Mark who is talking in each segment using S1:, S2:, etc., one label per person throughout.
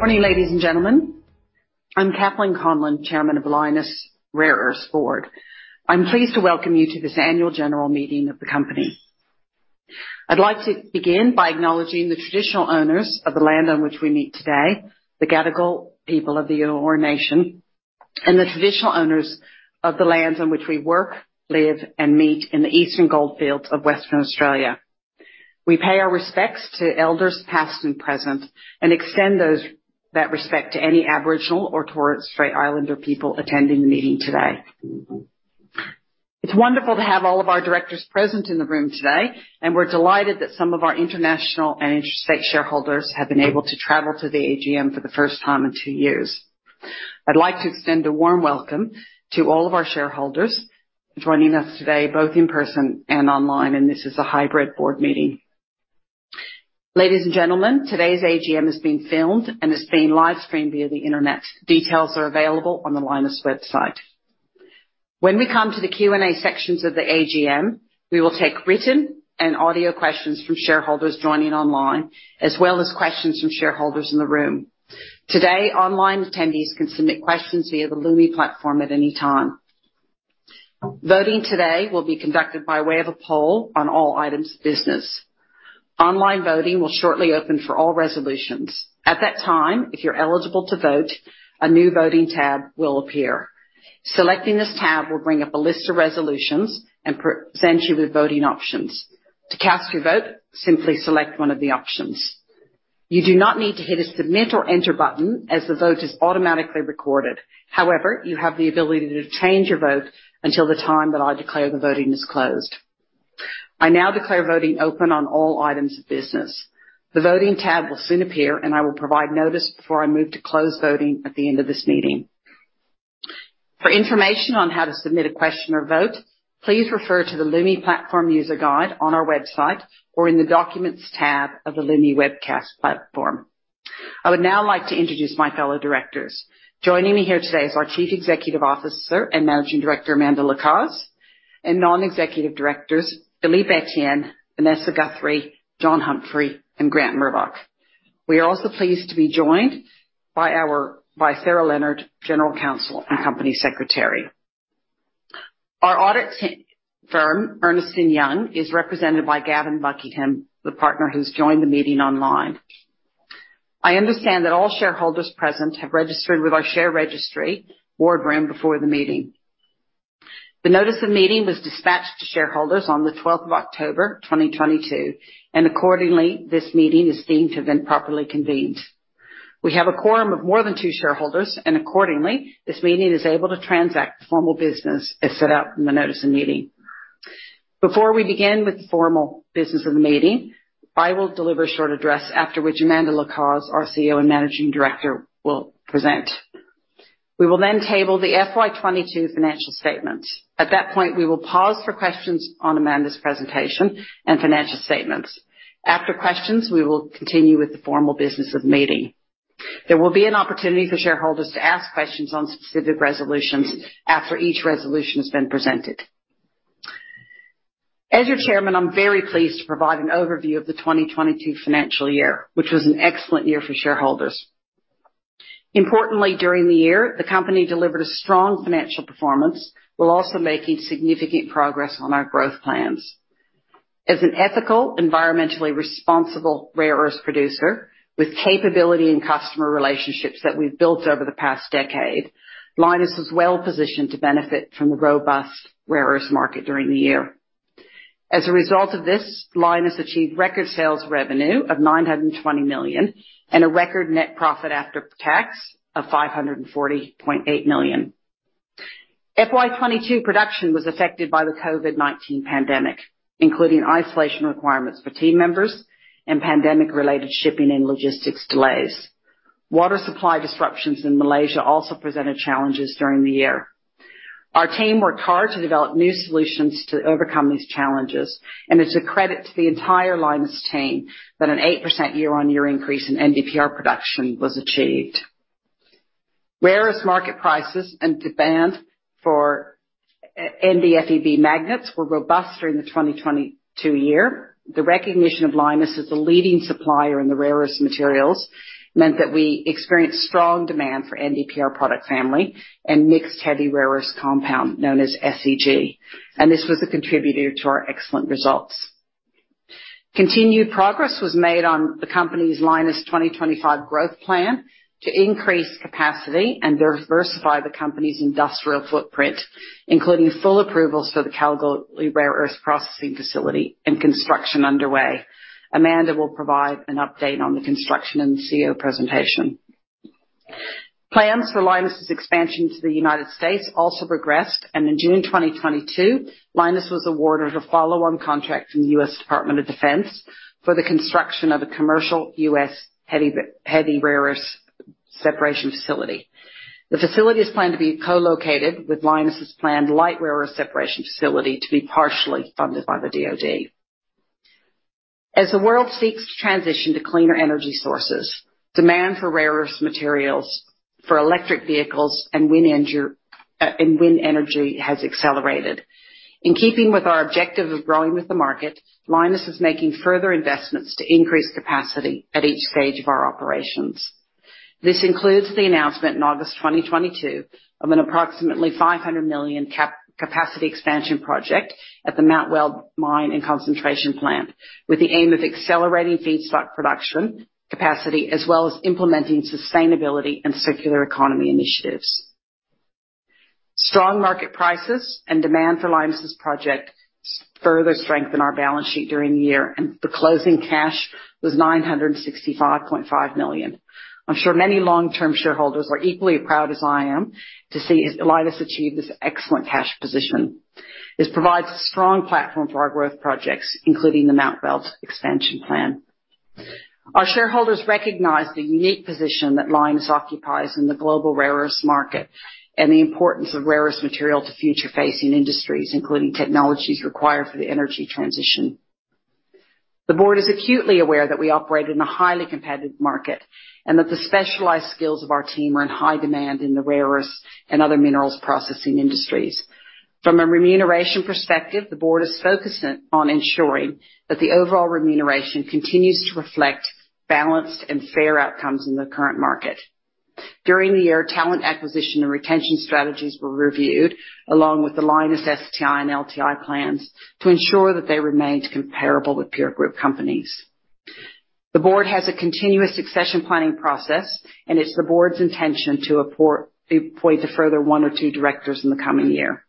S1: Morning, ladies and gentlemen. I'm Kathleen Conlon, Chairman of Lynas Rare Earths Board. I'm pleased to welcome you to this annual general meeting of the company. I'd like to begin by acknowledging the traditional owners of the land on which we meet today, the Gadigal people of the Eora Nation, and the traditional owners of the lands in which we work, live, and meet in the Eastern Goldfields of Western Australia. We pay our respects to elders past and present, and extend that respect to any Aboriginal or Torres Strait Islander people attending the meeting today. It's wonderful to have all of our directors present in the room today, and we're delighted that some of our international and interstate shareholders have been able to travel to the AGM for the first time in two years. I'd like to extend a warm welcome to all of our shareholders joining us today, both in person and online, and this is a hybrid board meeting. Ladies and gentlemen, today's AGM is being filmed and is being live streamed via the Internet. Details are available on the Lynas website. When we come to the Q&A sections of the AGM, we will take written and audio questions from shareholders joining online, as well as questions from shareholders in the room. Today, online attendees can submit questions via the Lumi platform at any time. Voting today will be conducted by way of a poll on all items of business. Online voting will shortly open for all resolutions. At that time, if you're eligible to vote, a new voting tab will appear. Selecting this tab will bring up a list of resolutions and pre-send you with voting options. To cast your vote, simply select one of the options. You do not need to hit a submit or enter button, as the vote is automatically recorded. However, you have the ability to change your vote until the time that I declare the voting is closed. I now declare voting open on all items of business. The voting tab will soon appear, and I will provide notice before I move to close voting at the end of this meeting. For information on how to submit a question or vote, please refer to the Lumi platform user guide on our website or in the documents tab of the Lumi webcast platform. I would now like to introduce my fellow directors. Joining me here today is our Chief Executive Officer and Managing Director, Amanda Lacaze, and Non-Executive Directors, Philippe Etienne, Vanessa Guthrie, John Humphrey, and Grant Murdoch. We are also pleased to be joined by Sarah Leonard, General Counsel and Company Secretary. Our audit team firm, Ernst & Young, is represented by Gavin Buckingham, the partner who's joined the meeting online. I understand that all shareholders present have registered with our share registry BoardRoom before the meeting. The notice of meeting was dispatched to shareholders on October 12, 2022. Accordingly, this meeting is deemed to have been properly convened. We have a quorum of more than two shareholders. Accordingly, this meeting is able to transact the formal business as set out in the notice of meeting. Before we begin with the formal business of the meeting, I will deliver a short address, after which Amanda Lacaze, our CEO and Managing Director, will present. We will table the FY22 financial statement. At that point, we will pause for questions on Amanda's presentation and financial statements. After questions, we will continue with the formal business of the meeting. There will be an opportunity for shareholders to ask questions on specific resolutions after each resolution has been presented. As your chairman, I'm very pleased to provide an overview of the 2022 financial year, which was an excellent year for shareholders. Importantly, during the year, the company delivered a strong financial performance, while also making significant progress on our growth plans. As an ethical, environmentally responsible rare earth producer with capability and customer relationships that we've built over the past decade, Lynas is well-positioned to benefit from the robust rare earth market during the year. As a result of this, Lynas achieved record sales revenue of 920 million and a record net profit after tax of 540.8 million. FY 2022 production was affected by the COVID-19 pandemic, including isolation requirements for team members and pandemic-related shipping and logistics delays. Water supply disruptions in Malaysia also presented challenges during the year. It's a credit to the entire Lynas team that an 8% year-on-year increase in NdPr production was achieved. Rare earth market prices and demand for NdFeB magnets were robust during the 2022 year. The recognition of Lynas as the leading supplier in the rare earth materials meant that we experienced strong demand for NdPr product family and mixed heavy rare earth compound known as SEG, and this was a contributor to our excellent results. Continued progress was made on the company's Lynas 2025 growth plan to increase capacity and diversify the company's industrial footprint, including full approvals for the Kalgoorlie rare earth processing facility and construction underway. Amanda will provide an update on the construction in the CEO presentation. Plans for Lynas's expansion to the United States also progressed, and in June 2022, Lynas was awarded a follow-on contract from the U.S. Department of Defense for the construction of a commercial U.S. heavy rare earth separation facility. The facility is planned to be co-located with Lynas's planned light rare earth separation facility to be partially funded by the DoD. As the world seeks to transition to cleaner energy sources, demand for rare earth materials for electric vehicles and in wind energy has accelerated. In keeping with our objective of growing with the market, Lynas is making further investments to increase capacity at each stage of our operations. This includes the announcement in August 2022 of an approximately 500 million capacity expansion project at the Mount Weld Mine and Concentration Plant, with the aim of accelerating feedstock production capacity, as well as implementing sustainability and circular economy initiatives. Strong market prices and demand for Lynas project further strengthen our balance sheet during the year, and the closing cash was 965.5 million. I'm sure many long-term shareholders are equally proud as I am to see Lynas achieve this excellent cash position. This provides a strong platform for our growth projects, including the Mount Weld expansion plan. Our shareholders recognize the unique position that Lynas occupies in the global rare earths market, and the importance of rare earths material to future facing industries, including technologies required for the energy transition. The Board is acutely aware that we operate in a highly competitive market, and that the specialized skills of our team are in high demand in the rare earths and other minerals processing industries. From a remuneration perspective, the Board is focused on ensuring that the overall remuneration continues to reflect balanced and fair outcomes in the current market. During the year, talent acquisition and retention strategies were reviewed, along with the Lynas STI and LTI plans to ensure that they remained comparable with peer group companies. The board has a continuous succession planning process, it's the board's intention to appoint a further one or two directors in the coming year.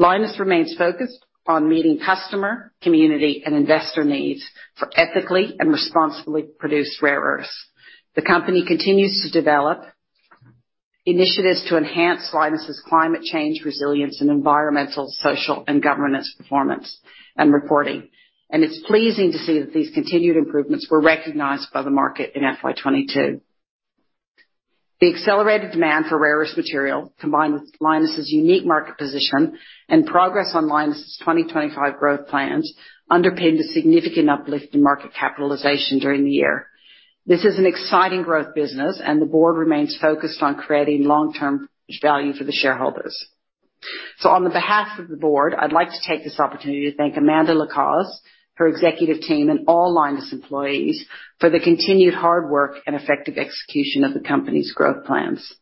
S1: Lynas remains focused on meeting customer, community, and investor needs for ethically and responsibly produced rare earths. The company continues to develop initiatives to enhance Lynas's climate change resilience and environmental, social, and governance performance and reporting. It's pleasing to see that these continued improvements were recognized by the market in FY 2022. The accelerated demand for rare earths material, combined with Lynas's unique market position and progress on Lynas's 2025 growth plans, underpinned a significant uplift in market capitalization during the year. This is an exciting growth business, the board remains focused on creating long-term value for the shareholders. On the behalf of the board, I'd like to take this opportunity to thank Amanda Lacaze, her executive team, and all Lynas employees for the continued hard work and effective execution of the company's growth plans.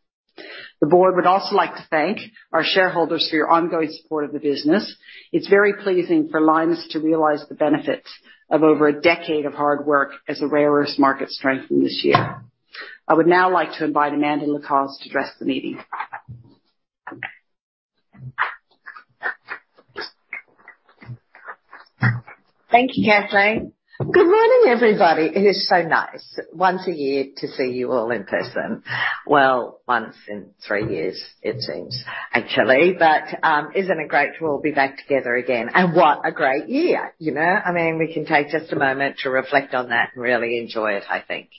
S1: The board would also like to thank our shareholders for your ongoing support of the business. It's very pleasing for Lynas to realize the benefits of over a decade of hard work as the rare earths market strengthened this year. I would now like to invite Amanda Lacaze to address the meeting.
S2: Thank you, Kathleen. Good morning, everybody. It is so nice once a year to see you all in person. Well, once in three years it seems, actually. Isn't it great to all be back together again? What a great year, you know? I mean, we can take just a moment to reflect on that and really enjoy it, I think.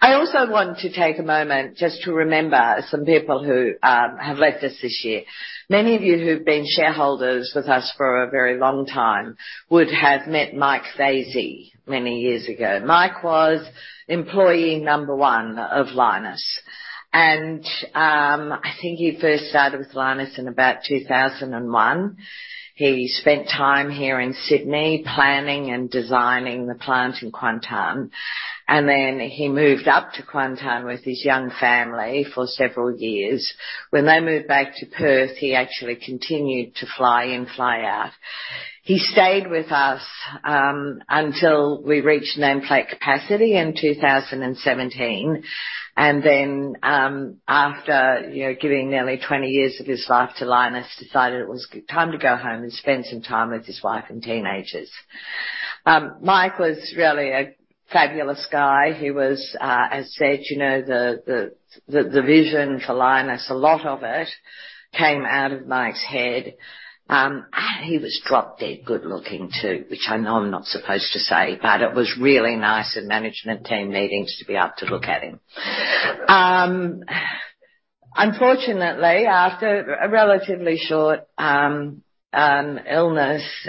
S2: I also want to take a moment just to remember some people who have left us this year. Many of you who've been shareholders with us for a very long time would have met Mike Fazey many years ago. Mike was employee number one of Lynas. I think he first started with Lynas in about 2001. He spent time here in Sydney planning and designing the plant in Kuantan, and then he moved up to Kuantan with his young family for several years. When they moved back to Perth, he actually continued to fly in, fly out. He stayed with us until we reached nameplate capacity in 2017. After, you know, giving nearly 20 years of his life to Lynas, decided it was time to go home and spend some time with his wife and teenagers. Mike was really a fabulous guy. He was, as said, you know, the vision for Lynas, a lot of it came out of Mike's head. He was drop-dead good-looking too, which I know I'm not supposed to say, but it was really nice at management team meetings to be able to look at him. Unfortunately, after a relatively short illness,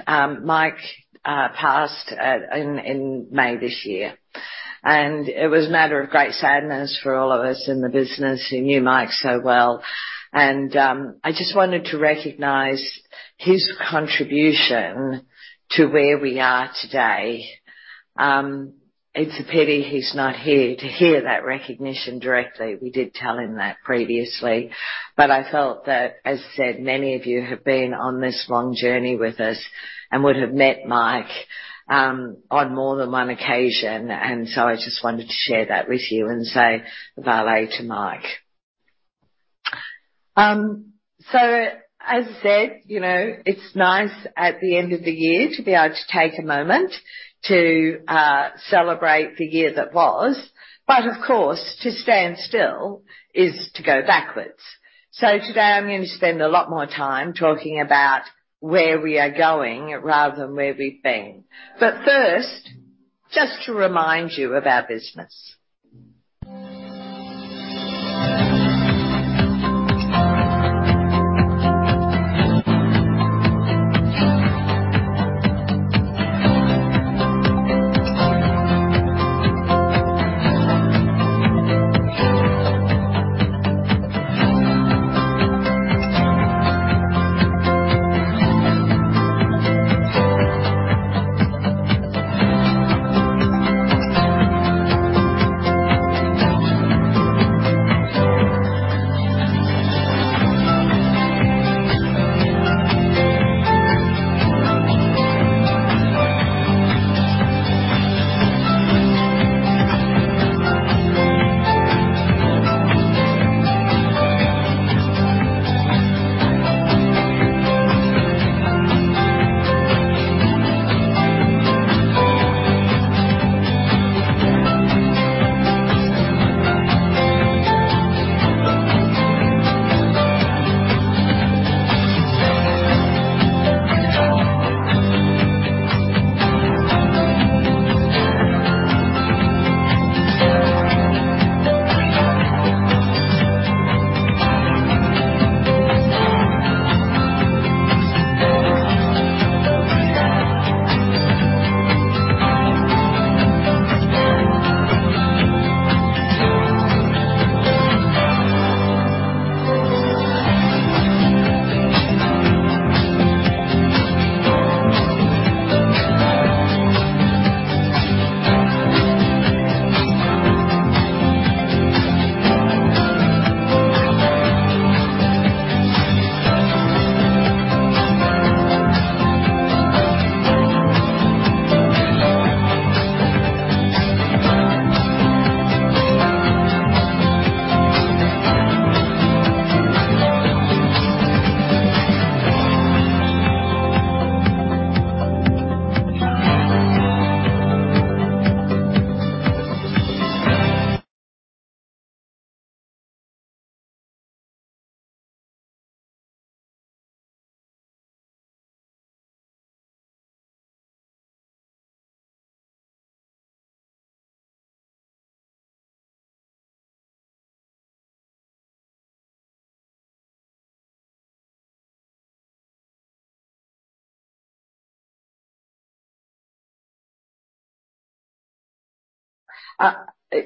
S2: Mike passed at, in May this year. It was a matter of great sadness for all of us in the business who knew Mike so well. I just wanted to recognize his contribution to where we are today. It's a pity he's not here to hear that recognition directly. We did tell him that previously, but I felt that, as said, many of you have been on this long journey with us and would have met Mike on more than one occasion, and so I just wanted to share that with you and say vale to Mike. As I said, you know, it's nice at the end of the year to be able to take a moment to celebrate the year that was. Of course, to stand still is to go backwards. Today I'm going to spend a lot more time talking about where we are going rather than where we've been. First, just to remind you of our business.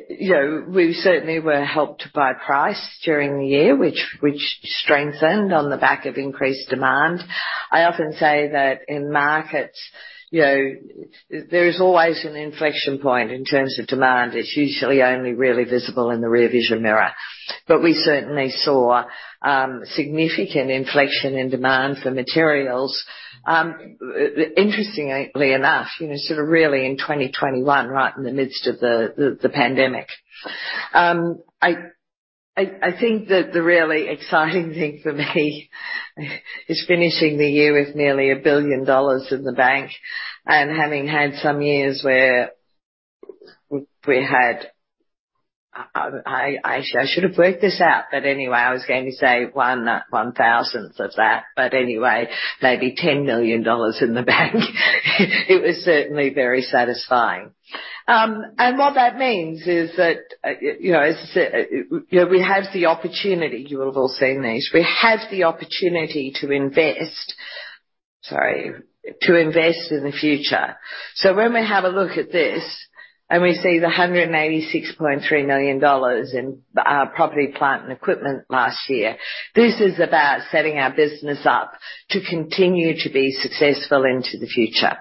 S2: you know, we certainly were helped by price during the year, which strengthened on the back of increased demand. I often say that in markets, you know, there is always an inflection point in terms of demand. It's usually only really visible in the rear vision mirror. We certainly saw significant inflection in demand for materials. Interestingly enough, you know, sort of really in 2021, right in the midst of the pandemic. I think that the really exciting thing for me is finishing the year with nearly 1 billion dollars in the bank and having had some years where we had... I should have worked this out, but anyway, I was going to say one-thousandth of that, but anyway, maybe 10 million dollars in the bank. It was certainly very satisfying. What that means is that, you know, as I said, you know, we have the opportunity, you have all seen these. We have the opportunity to invest, sorry, to invest in the future. When we have a look at this and we see the 186.3 million dollars in property, plant, and equipment last year, this is about setting our business up to continue to be successful into the future.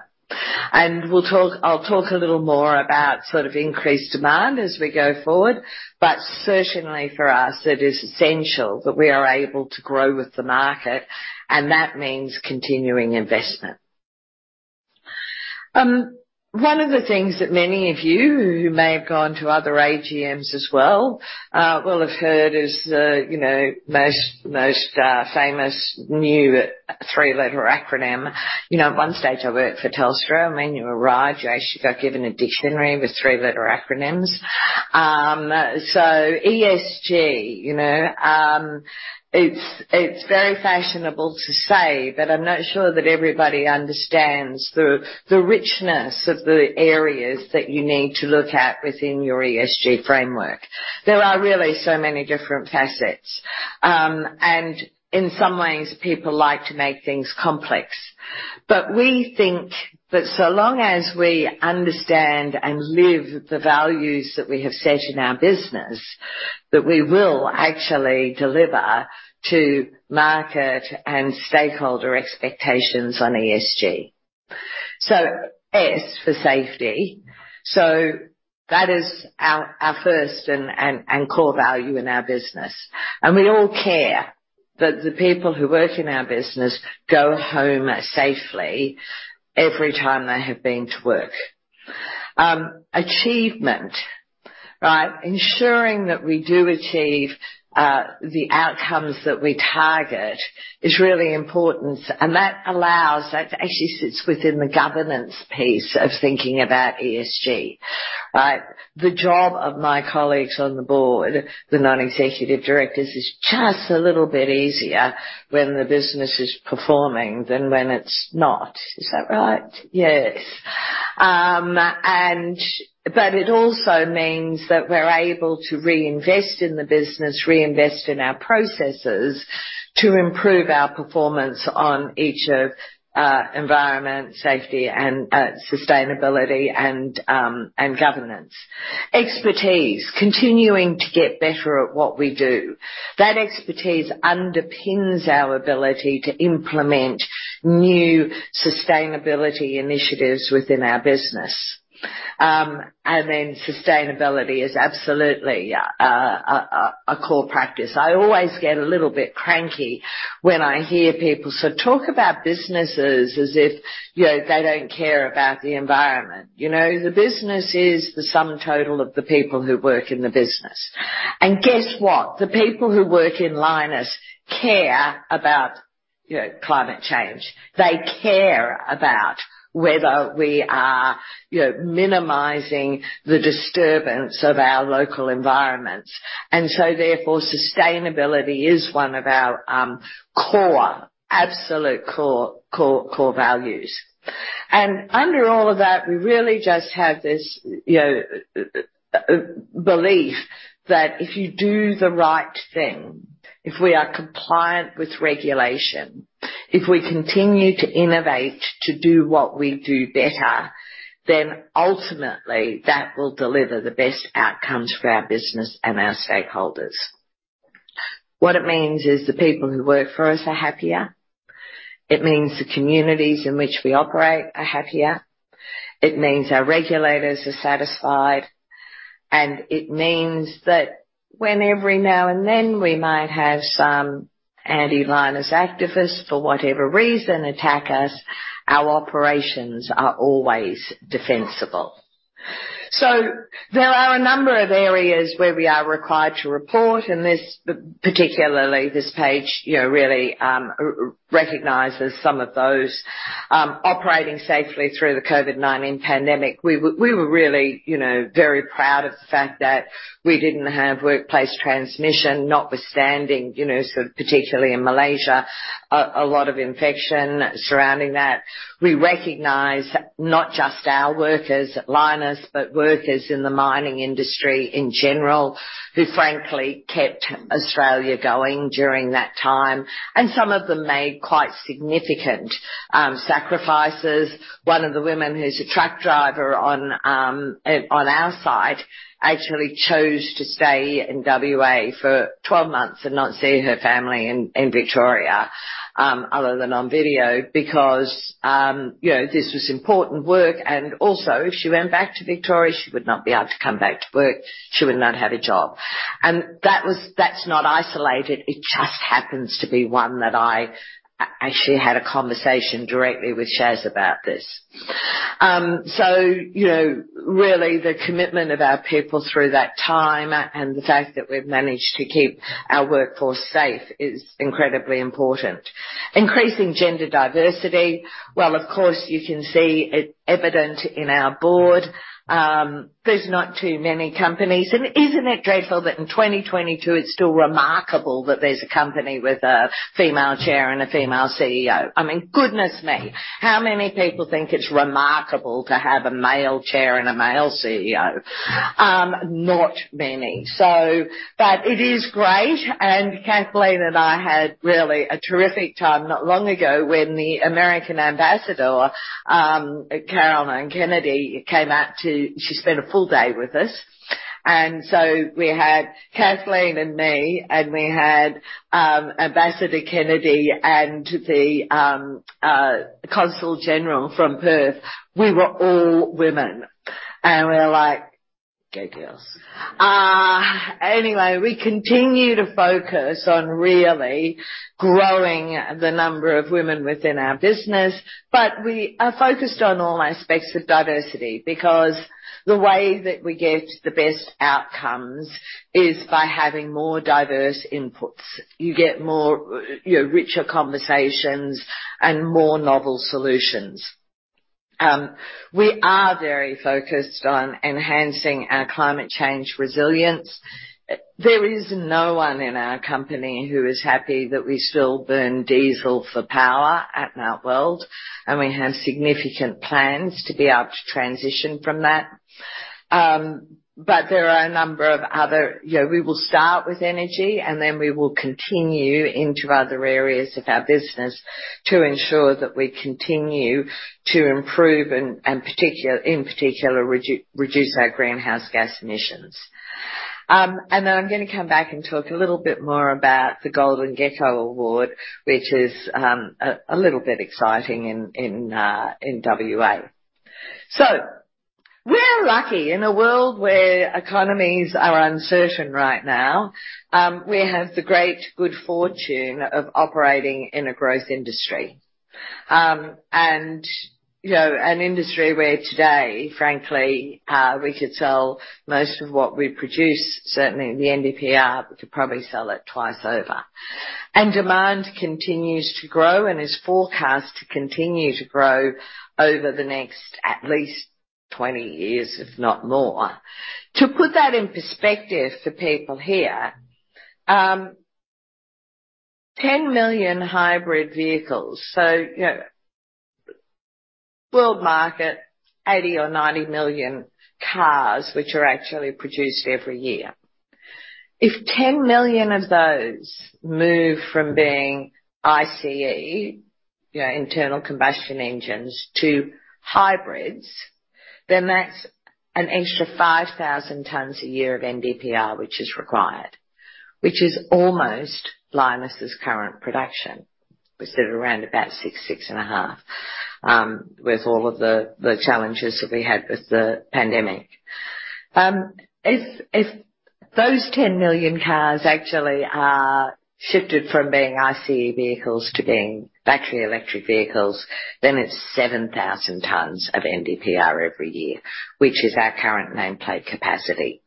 S2: I'll talk a little more about sort of increased demand as we go forward, but certainly for us, it is essential that we are able to grow with the market, and that means continuing investment. One of the things that many of you who may have gone to other AGMs as well, will have heard is the, you know, most famous new three-letter acronym. You know, at one stage I worked for Telstra. I mean, you arrive, you actually got given a dictionary with three-letter acronyms. So ESG, you know, it's very fashionable to say, but I'm not sure that everybody understands the richness of the areas that you need to look at within your ESG framework. There are really so many different facets. In some ways, people like to make things complex. We think that so long as we understand and live the values that we have set in our business, that we will actually deliver to market and stakeholder expectations on ESG. S for safety. That is our first and core value in our business. We all care that the people who work in our business go home safely every time they have been to work. Achievement, right? Ensuring that we do achieve the outcomes that we target is really important. That actually sits within the governance piece of thinking about ESG, right? The job of my colleagues on the board, the non-executive directors, is just a little bit easier when the business is performing than when it's not. Is that right? Yes. But it also means that we're able to reinvest in the business, reinvest in our processes to improve our performance on each of environment, safety and sustainability and governance. Expertise, continuing to get better at what we do. That expertise underpins our ability to implement new sustainability initiatives within our business. Then sustainability is absolutely a, a core practice. I always get a little bit cranky when I hear people sort of talk about businesses as if, you know, they don't care about the environment. You know, the business is the sum total of the people who work in the business. Guess what? The people who work in Lynas care about, you know, climate change. They care about whether we are, you know, minimizing the disturbance of our local environments. Therefore, sustainability is one of our absolute core values. Under all of that, we really just have this, you know, belief that if you do the right thing, if we are compliant with regulation, if we continue to innovate to do what we do better, then ultimately that will deliver the best outcomes for our business and our stakeholders. What it means is the people who work for us are happier. It means the communities in which we operate are happier. It means our regulators are satisfied, and it means that when every now and then we might have some anti-Lynas activist, for whatever reason, attack us, our operations are always defensible. There are a number of areas where we are required to report, and this, particularly this page, you know, really recognizes some of those. Operating safely through the COVID-19 pandemic. We were really, you know, very proud of the fact that we didn't have workplace transmission, notwithstanding, you know, sort of particularly in Malaysia, a lot of infection surrounding that. We recognize not just our workers at Lynas, but workers in the mining industry in general, who frankly kept Australia going during that time, and some of them made quite significant sacrifices. One of the women who's a truck driver on our site actually chose to stay in WA for 12 months and not see her family in Victoria, other than on video because, you know, this was important work. Also, if she went back to Victoria, she would not be able to come back to work. She would not have a job. That's not isolated. It just happens to be one that I actually had a conversation directly with Shaz about this. You know, really the commitment of our people through that time and the fact that we've managed to keep our workforce safe is incredibly important. Increasing gender diversity. Of course, you can see it's evident in our board. There's not too many companies. Isn't it dreadful that in 2022 it's still remarkable that there's a company with a female chair and a female CEO? I mean, goodness me, how many people think it's remarkable to have a male chair and a male CEO? Not many. It is great, and Kathleen and I had really a terrific time not long ago when the U.S. Ambassador, Caroline Kennedy. She spent a full day with us. We had Kathleen and me, we had Ambassador Kennedy and the consul general from Perth. We were all women, and we were like, "Go girls." Anyway, we continue to focus on really growing the number of women within our business, but we are focused on all aspects of diversity because the way that we get the best outcomes is by having more diverse inputs. You get more, you know, richer conversations and more novel solutions. We are very focused on enhancing our climate change resilience. There is no one in our company who is happy that we still burn diesel for power at Mount Weld, and we have significant plans to be able to transition from that. There are a number of other... You know, we will start with energy, then we will continue into other areas of our business to ensure that we continue to improve and in particular, reduce our greenhouse gas emissions. Then I'm gonna come back and talk a little bit more about the Golden Gecko Award, which is a little bit exciting in WA. We're lucky. In a world where economies are uncertain right now, we have the great good fortune of operating in a growth industry. You know, an industry where today, frankly, we could sell most of what we produce. Certainly the NdPr, we could probably sell it twice over. Demand continues to grow and is forecast to continue to grow over the next at least 20 years, if not more. To put that in perspective for people here, 10 million hybrid vehicles. You know, world market, 80 or 90 million cars, which are actually produced every year. If 10 million of those move from being ICE, your internal combustion engines to hybrids, then that's an extra 5,000 tonnes a year of NdPr which is required, which is almost Lynas' current production. We sit around about six and a half, with all of the challenges that we had with the pandemic. If those 10 million cars actually are shifted from being ICE vehicles to being battery electric vehicles, then it's 7,000 tonnes of NdPr every year, which is our current nameplate capacity.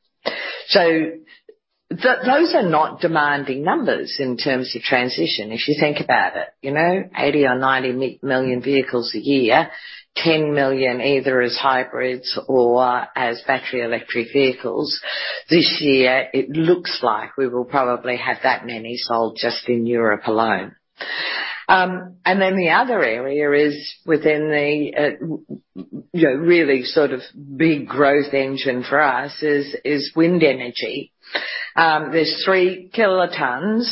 S2: Those are not demanding numbers in terms of transition, if you think about it, you know. 80 or 90 million vehicles a year, 10 million, either as hybrids or as battery electric vehicles. This year, it looks like we will probably have that many sold just in Europe alone. The other area is within the, you know, really sort of big growth engine for us is wind energy. There's three kilotonnes,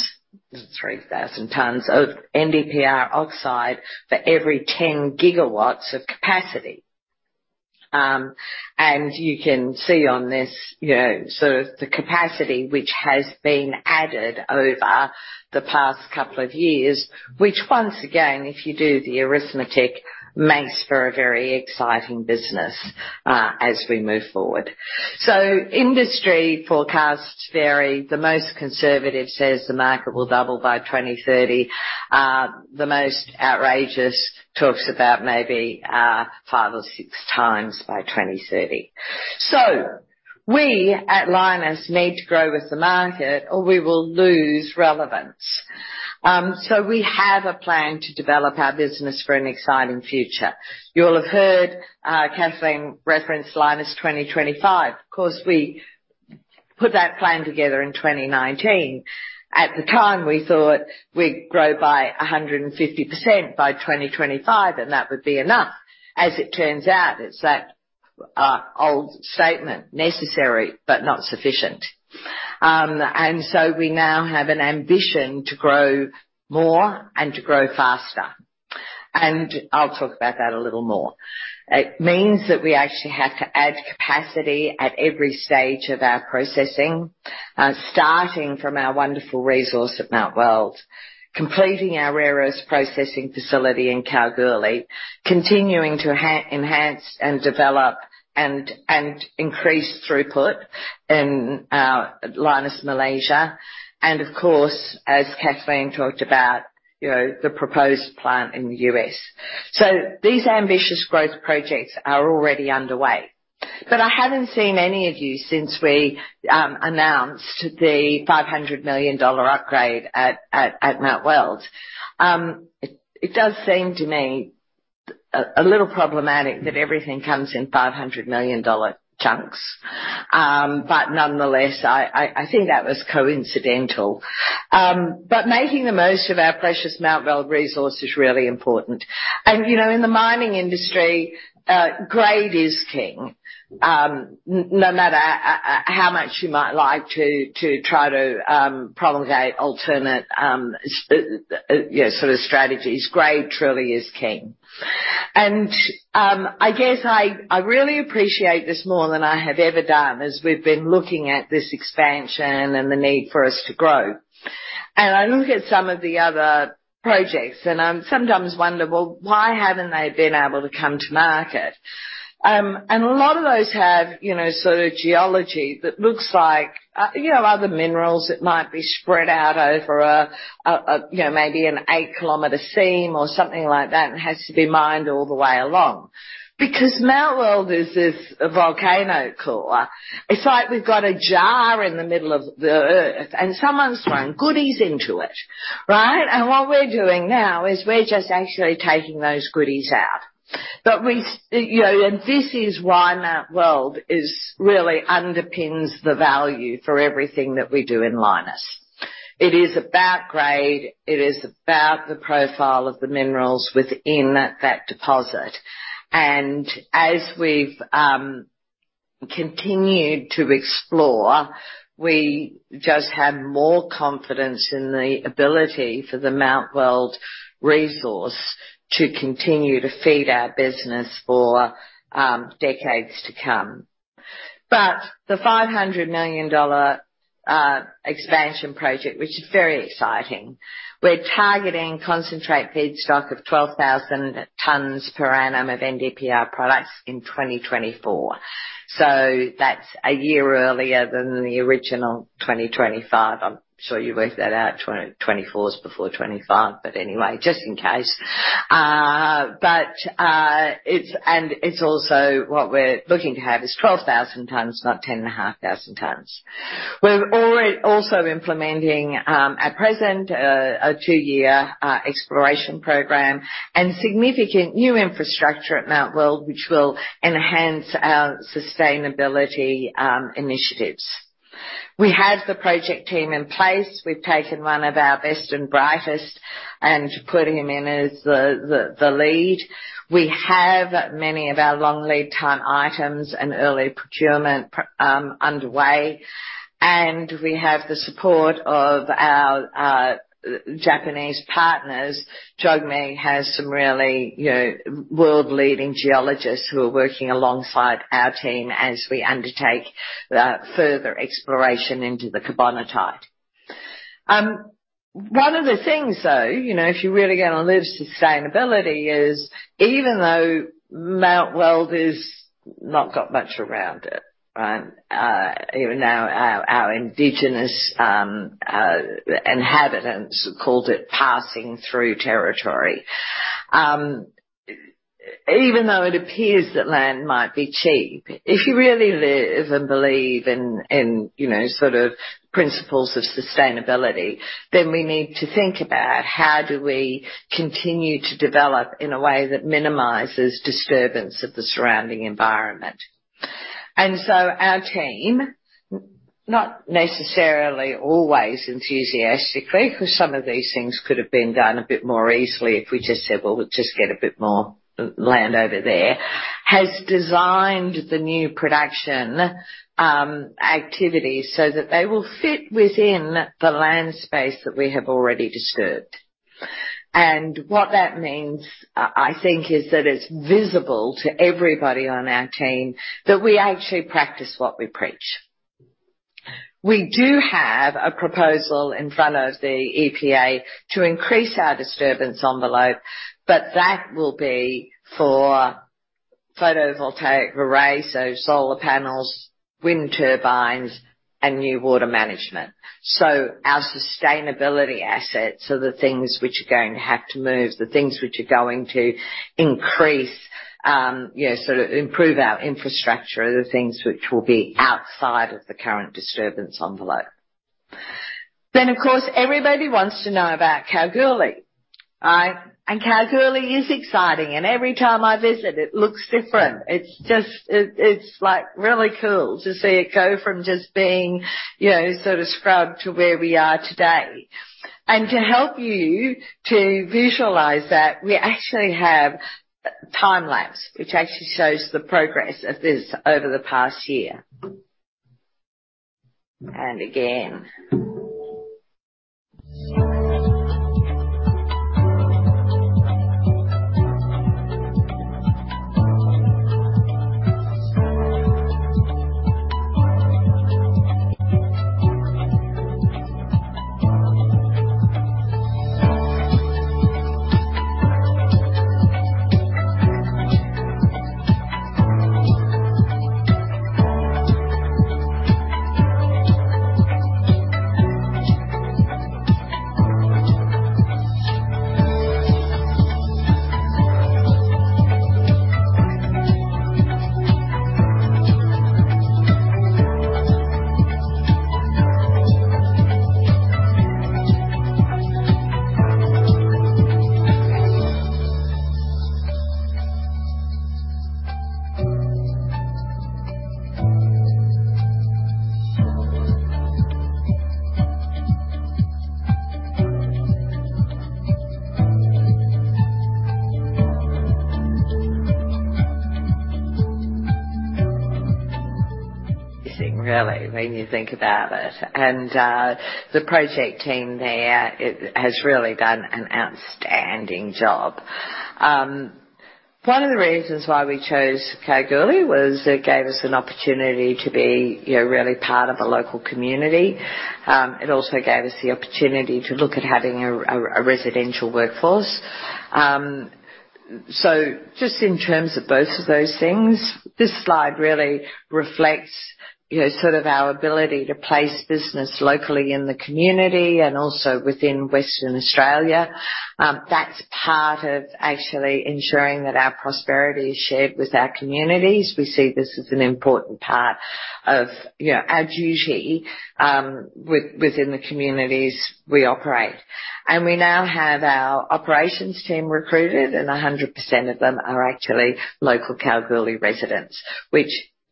S2: 3,000 tonnes of NdPr oxide for every 10 gigawatts of capacity. You can see on this, you know, sort of the capacity which has been added over the past couple of years, which once again, if you do the arithmetic, makes for a very exciting business as we move forward. Industry forecasts vary. The most conservative says the market will double by 2030. The most outrageous talks about maybe five or six times by 2030. We at Lynas need to grow with the market or we will lose relevance. We have a plan to develop our business for an exciting future. You'll have heard Kathleen reference Lynas 2025. Of course, we put that plan together in 2019. At the time, we thought we'd grow by 150% by 2025, and that would be enough. As it turns out, it's that old statement, necessary but not sufficient. We now have an ambition to grow more and to grow faster. I'll talk about that a little more. It means that we actually have to add capacity at every stage of our processing, starting from our wonderful resource at Mount Weld, completing our rare earths processing facility in Kalgoorlie, continuing to enhance and develop and increase throughput in Lynas Malaysia, and of course, as Kathleen talked about, you know, the proposed plant in the U.S. These ambitious growth projects are already underway. I haven't seen any of you since we announced the 500 million dollar upgrade at Mount Weld. It does seem to me a little problematic that everything comes in 500 million dollar chunks. Nonetheless, I think that was coincidental. Making the most of our precious Mount Weld resource is really important. You know, in the mining industry, grade is king. No matter how much you might like to try to promulgate alternate, you know, sort of strategies, grade truly is king. I guess I really appreciate this more than I have ever done as we've been looking at this expansion and the need for us to grow. I look at some of the other projects, and I sometimes wonder, well, why haven't they been able to come to market? A lot of those have, you know, sort of geology that looks like, you know, other minerals that might be spread out over a, you know, maybe an eight-kilometer seam or something like that, and has to be mined all the way along. Because Mount Weld is this volcano core. It's like we've got a jar in the middle of the Earth, and someone's thrown goodies into it, right? What we're doing now is we're just actually taking those goodies out. You know, this is why Mount Weld is really underpins the value for everything that we do in Lynas. It is about grade, it is about the profile of the minerals within that deposit. As we've continued to explore, we just have more confidence in the ability for the Mount Weld resource to continue to feed our business for decades to come. The 500 million dollar expansion project, which is very exciting, we're targeting concentrate feedstock of 12,000 tons per annum of NdPr products in 2024. That's a year earlier than the original 2025. I'm sure you worked that out, 2024 is before 25, anyway, just in case. It's also what we're looking to have is 12,000 tonnes, not 10.5 thousand tonnes. We're also implementing, at present, a 2-year exploration program and significant new infrastructure at Mount Weld, which will enhance our sustainability initiatives. We have the project team in place. We've taken one of our best and brightest and put him in as the lead. We have many of our long lead time items and early procurement underway. We have the support of our Japanese partners. JOGMEC has some really, you know, world-leading geologists who are working alongside our team as we undertake the further exploration into the carbonatite. One of the things though, you know, if you really get on this sustainability is even though Mount Weld is not got much around it, right? Even now our indigenous inhabitants called it passing through territory. Even though it appears that land might be cheap, if you really live and believe in, you know, sort of principles of sustainability, then we need to think about how do we continue to develop in a way that minimizes disturbance of the surrounding environment. Our team, not necessarily always enthusiastically, 'cause some of these things could have been done a bit more easily if we just said, "Well, we'll just get a bit more land over there," has designed the new production activities so that they will fit within the land space that we have already disturbed. What that means, I think, is that it's visible to everybody on our team that we actually practice what we preach. We do have a proposal in front of the EPA to increase our disturbance envelope, but that will be for photovoltaic array, so solar panels, wind turbines, and new water management. Our sustainability assets are the things which are going to have to move, the things which are going to increase, you know, sort of improve our infrastructure, are the things which will be outside of the current disturbance envelope. Of course, everybody wants to know about Kalgoorlie. Right? Kalgoorlie is exciting, and every time I visit it looks different. It's like really cool to see it go from just being, you know, sort of scrub to where we are today. To help you to visualize that, we actually have time lapse which actually shows the progress of this over the past year. Again. Really, when you think about it. The project team there it has really done an outstanding job. One of the reasons why we chose Kalgoorlie was it gave us an opportunity to be, you know, really part of a local community. It also gave us the opportunity to look at having a residential workforce. Just in terms of both of those things, this slide really reflects, you know, sort of our ability to place business locally in the community and also within Western Australia. That's part of actually ensuring that our prosperity is shared with our communities. We see this as an important part of, you know, our duty, within the communities we operate. We now have our operations team recruited, and 100% of them are actually local Kalgoorlie residents, which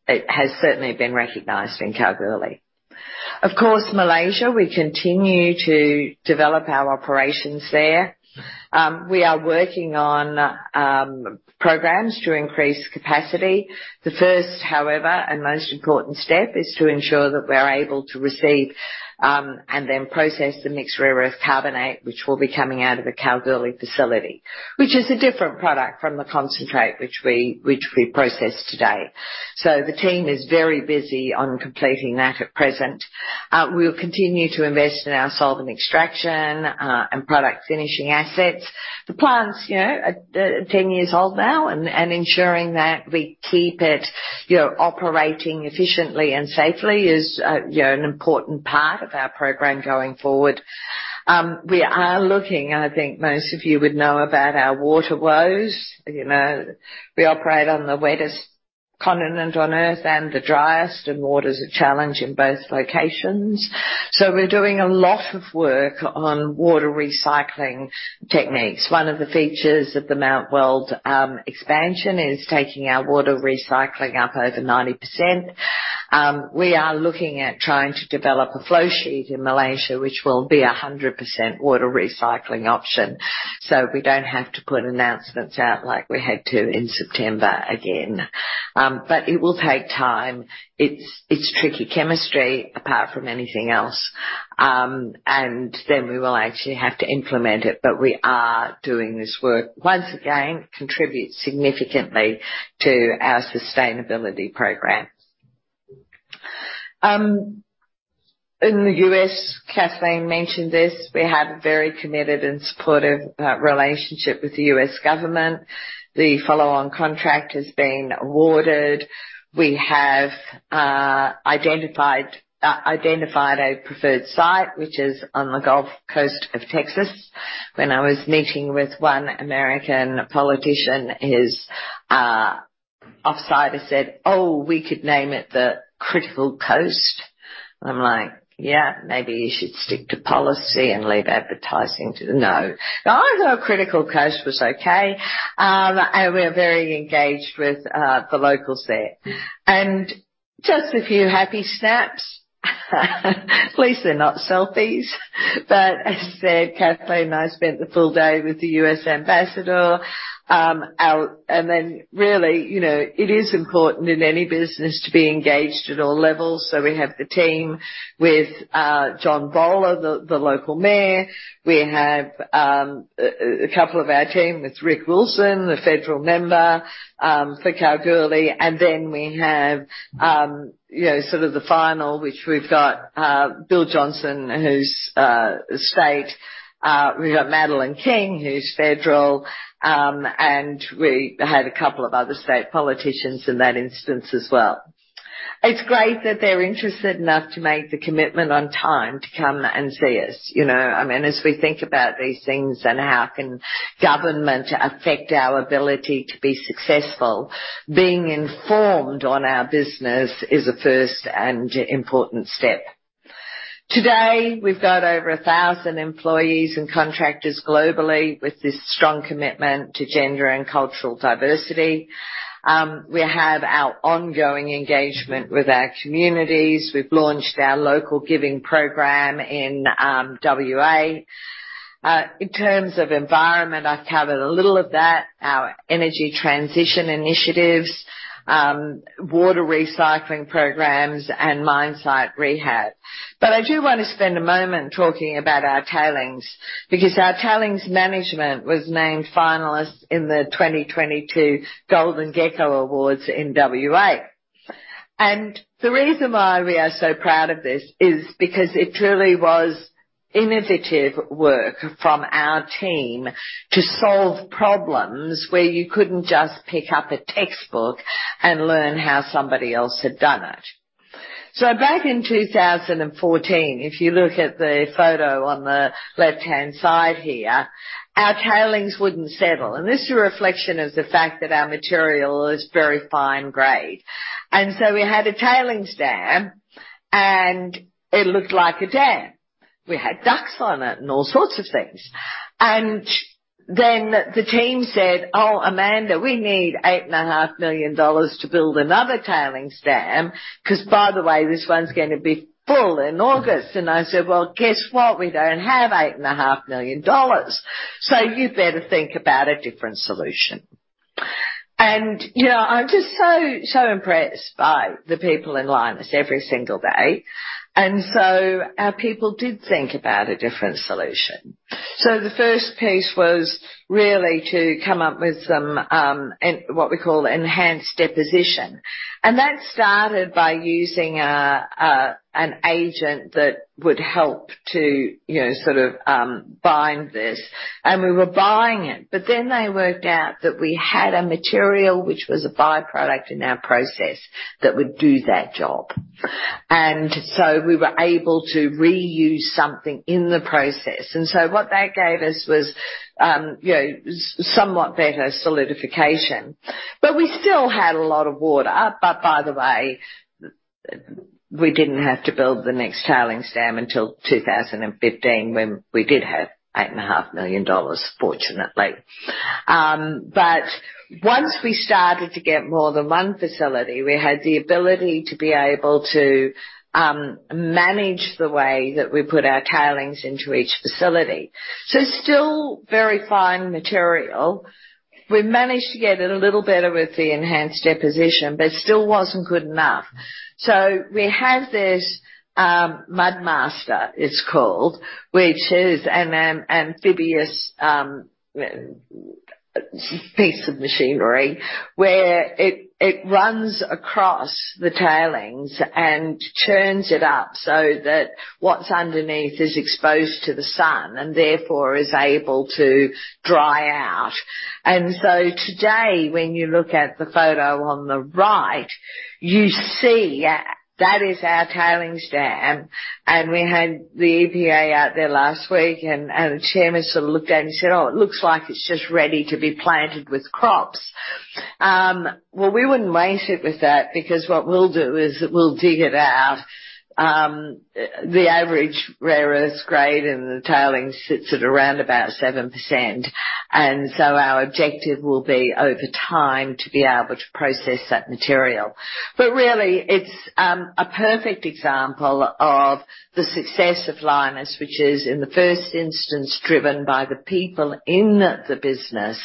S2: has certainly been recognized in Kalgoorlie. Of course, Malaysia, we continue to develop our operations there. We are working on programs to increase capacity. The first, however, and most important step is to ensure that we're able to receive and then process the Mixed Rare Earths Carbonate, which will be coming out of the Kalgoorlie facility. Which is a different product from the concentrate which we process today. The team is very busy on completing that at present. We'll continue to invest in our solvent extraction and product finishing assets. The plant's, you know, 10 years old now and ensuring that we keep it, you know, operating efficiently and safely is, you know, an important part of our program going forward. We are looking, and I think most of you would know about our water woes. You know, we operate on the wettest continent on Earth and the driest, and water's a challenge in both locations. We're doing a lot of work on water recycling techniques. One of the features of the Mount Weld expansion is taking our water recycling up over 90%. We are looking at trying to develop a flow sheet in Malaysia, which will be a 100% water recycling option, so we don't have to put announcements out like we had to in September again. It will take time. It's, it's tricky chemistry apart from anything else. We will actually have to implement it. We are doing this work. Once again, contribute significantly to our sustainability program. In the U.S., Kathleen mentioned this, we have a very committed and supportive relationship with the U.S. government. The follow-on contract has been awarded. We have identified a preferred site which is on the Gulf Coast of Texas. When I was meeting with one American politician, his offsider said, "Oh, we could name it the Critical Coast." I'm like, "Yeah, maybe you should stick to policy and leave advertising to the..." No. I thought Critical Coast was okay. We're very engaged with the locals there. Just a few happy snaps. At least they're not selfies. As I said, Kathleen and I spent the full day with the U.S. Ambassador. Really, you know, it is important in any business to be engaged at all levels, so we have the team with John Bowler, the local Mayor. We have a couple of our team with Rick Wilson, the Federal Member for Kalgoorlie. We have, you know, sort of the final, which we've got Bill Johnston, who's state. We've got Madeleine King, who's federal. We had a couple of other state politicians in that instance as well. It's great that they're interested enough to make the commitment on time to come and see us. You know, I mean, as we think about these things and how can government affect our ability to be successful, being informed on our business is a first and important step. Today, we've got over 1,000 employees and contractors globally with this strong commitment to gender and cultural diversity. We have our ongoing engagement with our communities. We've launched our local giving program in WA. In terms of environment, I've covered a little of that. Our energy transition initiatives, water recycling programs, and mine site rehab. I do want to spend a moment talking about our tailings, because our tailings management was named finalist in the 2022 Golden Gecko Awards in WA. The reason why we are so proud of this is because it truly was innovative work from our team to solve problems where you couldn't just pick up a textbook and learn how somebody else had done it. Back in 2014, if you look at the photo on the left-hand side here, our tailings wouldn't settle. This is a reflection of the fact that our material is very fine grade. So we had a tailings dam, and it looked like a dam. We had ducks on it and all sorts of things. Then the team said, "Oh, Amanda, we need eight and a half million dollars to build another tailings dam, 'cause by the way, this one's gonna be full in August." I said, "Well, guess what? We don't have eight and a half million dollars. So you better think about a different solution." You know, I'm just so impressed by the people in Lynas every single day. So our people did think about a different solution. The first piece was really to come up with some what we call enhanced deposition. That started by using an agent that would help to, you know, sort of, bind this. We were buying it, but then they worked out that we had a material which was a by-product in our process that would do that job. We were able to reuse something in the process. What that gave us was, you know, somewhat better solidification. We still had a lot of water. By the way, we didn't have to build the next tailings dam until 2015 when we did have 8.5 million dollars, fortunately. Once we started to get more than one facility, we had the ability to be able to manage the way that we put our tailings into each facility. Still very fine material. We managed to get it a little better with the enhanced deposition, but it still wasn't good enough. We have this MudMaster it's called, which is an amphibious piece of machinery, where it runs across the tailings and churns it up so that what's underneath is exposed to the sun and therefore is able to dry out. Today, when you look at the photo on the right, you see that is our tailings dam. We had the EPA out there last week and the chairman sort of looked at it and he said, "Oh, it looks like it's just ready to be planted with crops." Well, we wouldn't waste it with that because what we'll do is we'll dig it out. The average rare earth grade in the tailings sits at around about 7%. Our objective will be over time to be able to process that material. Really, it's a perfect example of the success of Lynas, which is in the first instance, driven by the people in the business,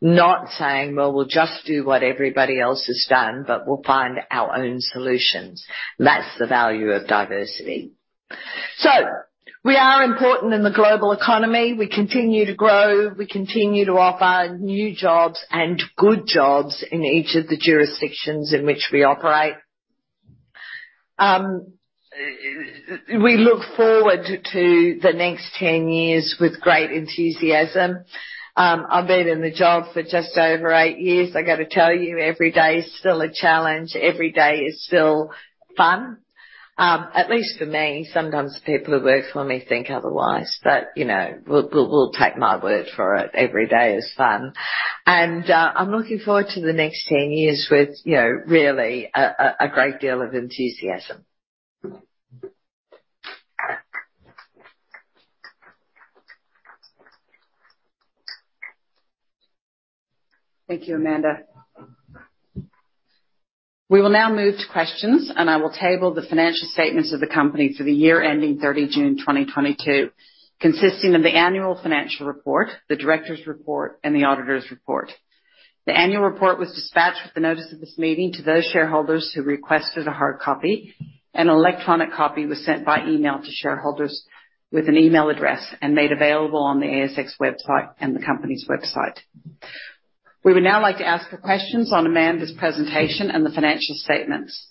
S2: not saying, "Well, we'll just do what everybody else has done," but, "We'll find our own solutions." That's the value of diversity. We are important in the global economy. We continue to grow, we continue to offer new jobs and good jobs in each of the jurisdictions in which we operate. We look forward to the next 10 years with great enthusiasm. I've been in the job for just over eight years. I gotta tell you, every day is still a challenge. Every day is still fun, at least for me. Sometimes people who work for me think otherwise, but, you know, we'll take my word for it. Every day is fun. I'm looking forward to the next 10 years with, you know, really a great deal of enthusiasm.
S1: Thank you, Amanda. We will now move to questions, and I will table the financial statements of the company for the year ending 30 June 2022, consisting of the annual financial report, the Director's Report, and the Auditor's Report. The annual report was dispatched with the notice of this meeting to those shareholders who requested a hard copy. An electronic copy was sent by email to shareholders with an email address and made available on the ASX website and the company's website. We would now like to ask the questions on Amanda's presentation and the financial statements.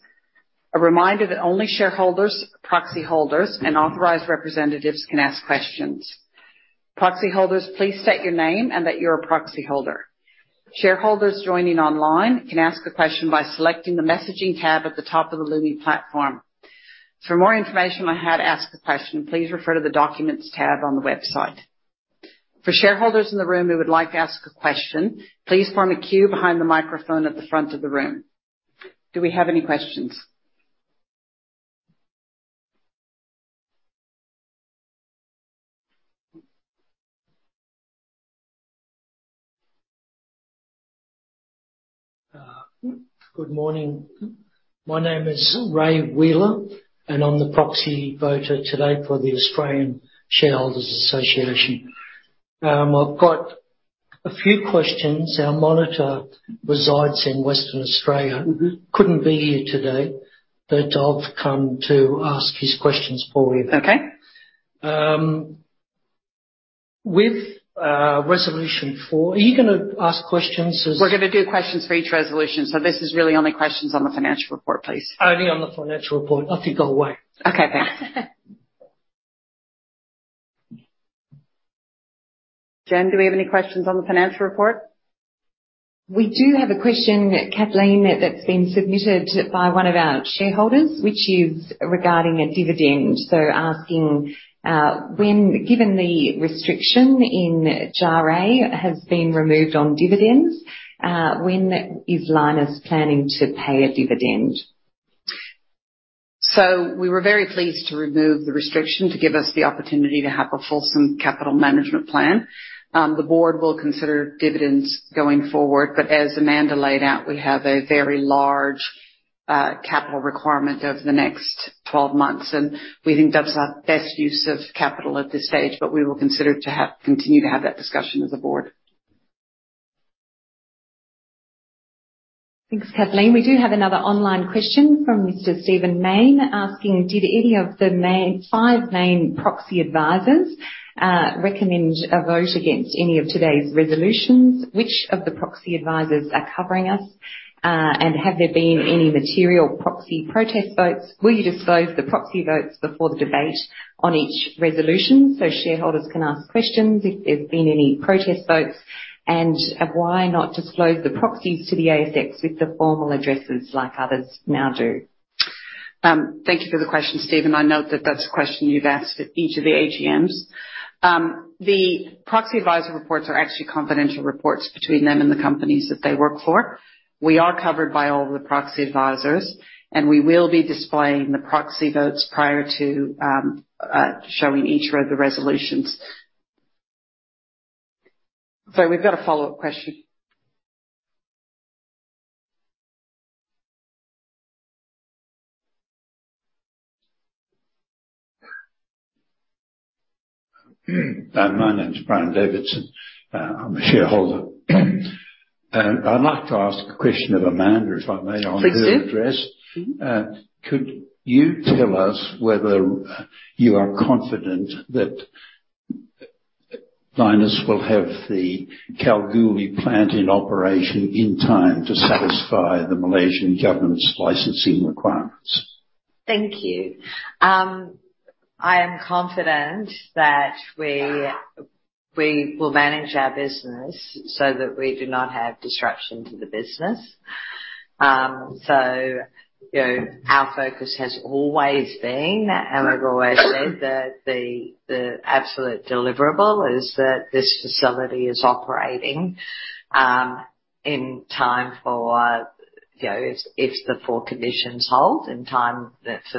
S1: A reminder that only shareholders, proxy holders, and authorized representatives can ask questions. Proxy holders, please state your name and that you're a proxy holder. Shareholders joining online can ask a question by selecting the messaging tab at the top of the Lumi platform. For more information on how to ask a question, please refer to the Documents tab on the website. For shareholders in the room who would like to ask a question, please form a queue behind the microphone at the front of the room. Do we have any questions?
S3: Good morning. My name is Ray Wheeler, and I'm the proxy voter today for the Australian Shareholders' Association. I've got a few questions. Our monitor resides in Western Australia.
S1: Mm-hmm.
S3: Couldn't be here today, but I've come to ask his questions for him.
S1: Okay.
S3: With Resolution 4. Are you gonna ask questions?
S1: We're gonna do questions for each resolution, this is really only questions on the financial report, please.
S3: Only on the financial report. Off you go. Away.
S1: Okay. Jen, do we have any questions on the financial report?
S4: We do have a question, Kathleen, that's been submitted by one of our shareholders, which is regarding a dividend. Asking, Given the restriction in JARE has been removed on dividends, when is Lynas planning to pay a dividend?
S1: We were very pleased to remove the restriction to give us the opportunity to have a fulsome capital management plan. The board will consider dividends going forward, but as Amanda laid out, we have a very large capital requirement over the next 12 months, and we think that's our best use of capital at this stage. We will continue to have that discussion as a board.
S4: Thanks, Kathleen. We do have another online question from Mr. Stephen Mayne, asking, "Did any of the five main proxy advisors recommend a vote against any of today's resolutions? Which of the proxy advisors are covering us? Have there been any material proxy protest votes? Will you disclose the proxy votes before the debate on each resolution so shareholders can ask questions if there's been any protest votes? Why not disclose the proxies to the ASX with the formal addresses like others now do?
S1: Thank you for the question, Steven. I note that that's a question you've asked at each of the AGMs. The proxy advisor reports are actually confidential reports between them and the companies that they work for. We are covered by all the proxy advisors. We will be displaying the proxy votes prior to showing each the resolutions. Sorry, we've got a follow-up question.
S5: My name is Brian Davidson. I'm a shareholder. I'd like to ask a question of Amanda, if I may.
S1: Please do.
S5: -on her address. Could you tell us whether you are confident that Lynas will have the Kalgoorlie plant in operation in time to satisfy the Malaysian government's licensing requirements?
S2: Thank you. I am confident that we will manage our business so that we do not have disruption to the business. You know, our focus has always been, and we've always said that the absolute deliverable is that this facility is operating in time for, you know, if the four conditions hold in time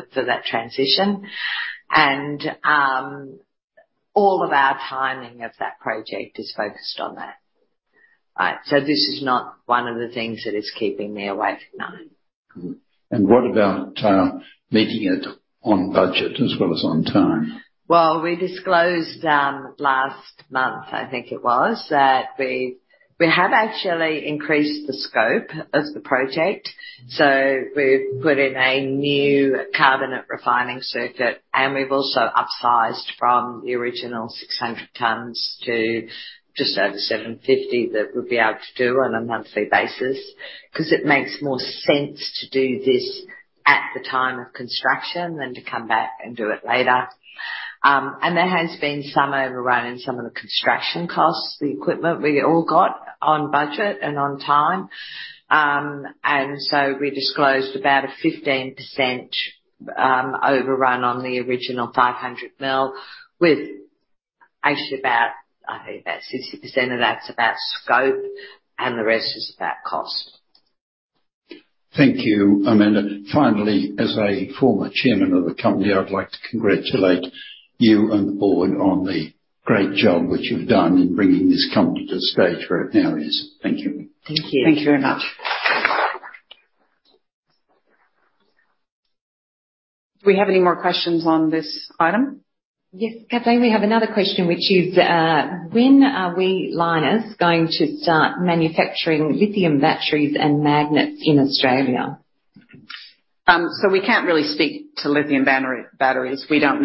S2: for that transition. All of our timing of that project is focused on that. This is not one of the things that is keeping me awake at night.
S5: What about, meeting it on budget as well as on time?
S2: We disclosed last month, I think it was that we have actually increased the scope of the project. We've put in a new carbonate refining circuit, and we've also upsized from the original 600 tons to just over 750 that we'll be able to do on a monthly basis because it makes more sense to do this at the time of construction than to come back and do it later. There has been some overrun in some of the construction costs. The equipment we all got on budget and on time. We disclosed about a 15% overrun on the original 500 million, with actually about, I think about 60% of that's about scope and the rest is about cost.
S5: Thank you, Amanda. Finally, as a former chairman of the company, I would like to congratulate you and the board on the great job which you've done in bringing this company to the stage where it now is. Thank you.
S2: Thank you.
S1: Thank you very much. Do we have any more questions on this item?
S4: Yes, Kathleen. We have another question which is, when are we, Lynas, going to start manufacturing lithium batteries and magnets in Australia?
S1: We can't really speak to lithium batteries. We don't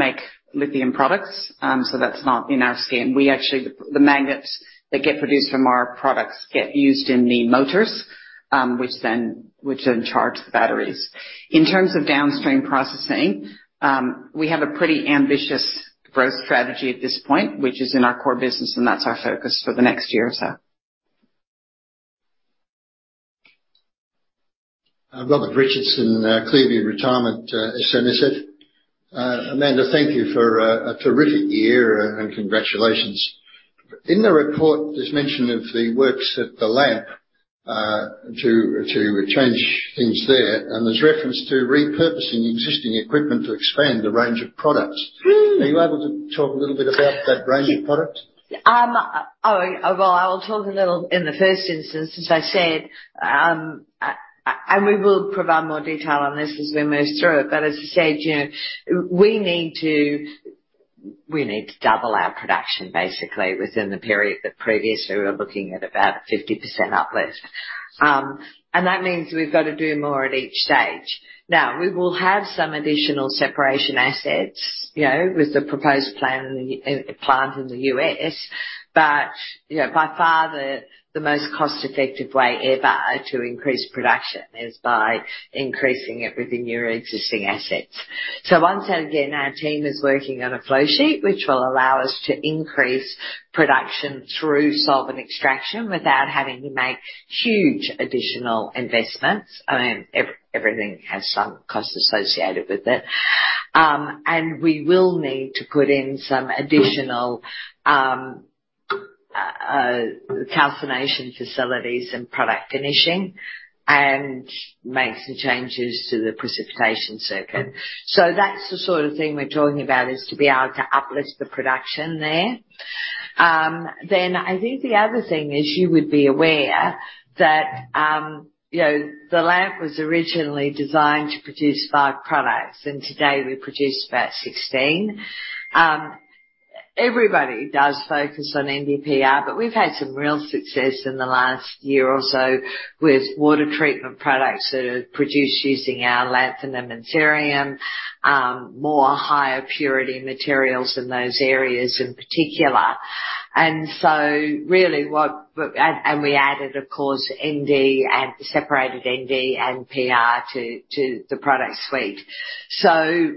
S1: make lithium products, that's not in our scheme. The magnets that get produced from our products get used in the motors, which then charge the batteries. In terms of downstream processing, we have a pretty ambitious growth strategy at this point, which is in our core business, and that's our focus for the next year or so.
S6: I'm Robert Richardson, clearly in retirement, as Amanda said. Amanda, thank you for a terrific year and congratulations. In the report, there's mention of the works at the lab, to change things there, and there's reference to repurposing existing equipment to expand the range of products.
S2: Mm.
S6: Are you able to talk a little bit about that range of product?
S2: Well, I'll talk a little in the first instance, as I said, and we will provide more detail on this as we move through it. As I said, you know, we need to, we need to double our production basically within the period that previously we were looking at about 50% uplift. That means we've got to do more at each stage. Now, we will have some additional separation assets, you know, with the proposed plan in the plant in the U.S. You know, by far, the most cost-effective way ever to increase production is by increasing it within your existing assets. Once again, our team is working on a flow sheet which will allow us to increase production through solvent extraction without having to make huge additional investments. I mean, everything has some cost associated with it. We will need to put in some additional calcination facilities and product finishing and make some changes to the precipitation circuit. That's the sort of thing we're talking about, is to be able to uplift the production there. I think the other thing is you would be aware that, you know, the lab was originally designed to produce five products, and today we produce about 16. Everybody does focus on NdPr, but we've had some real success in the last year or so with water treatment products that are produced using our lanthanum and cerium, more higher purity materials in those areas in particular. Really what. We added, of course, Nd and separated Nd and Pr to the product suite.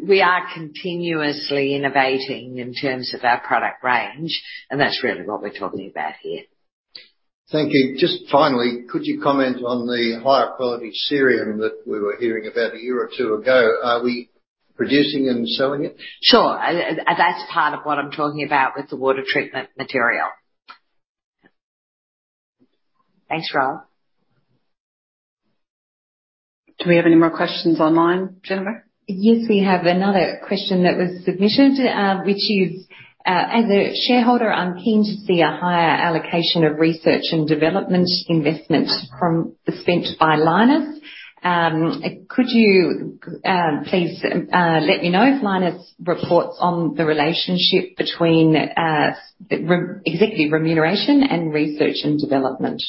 S2: We are continuously innovating in terms of our product range, and that's really what we're talking about here.
S6: Thank you. Just finally, could you comment on the higher quality cerium that we were hearing about a year or two ago? Are we producing and selling it?
S2: Sure. That's part of what I'm talking about with the water treatment material. Thanks, Robert.
S1: Do we have any more questions online, Jennifer?
S4: Yes, we have another question that was submitted, which is, "As a shareholder, I'm keen to see a higher allocation of research and development investment from the spent by Lynas. Could you, please, let me know if Lynas reports on the relationship between executive remuneration and research and development?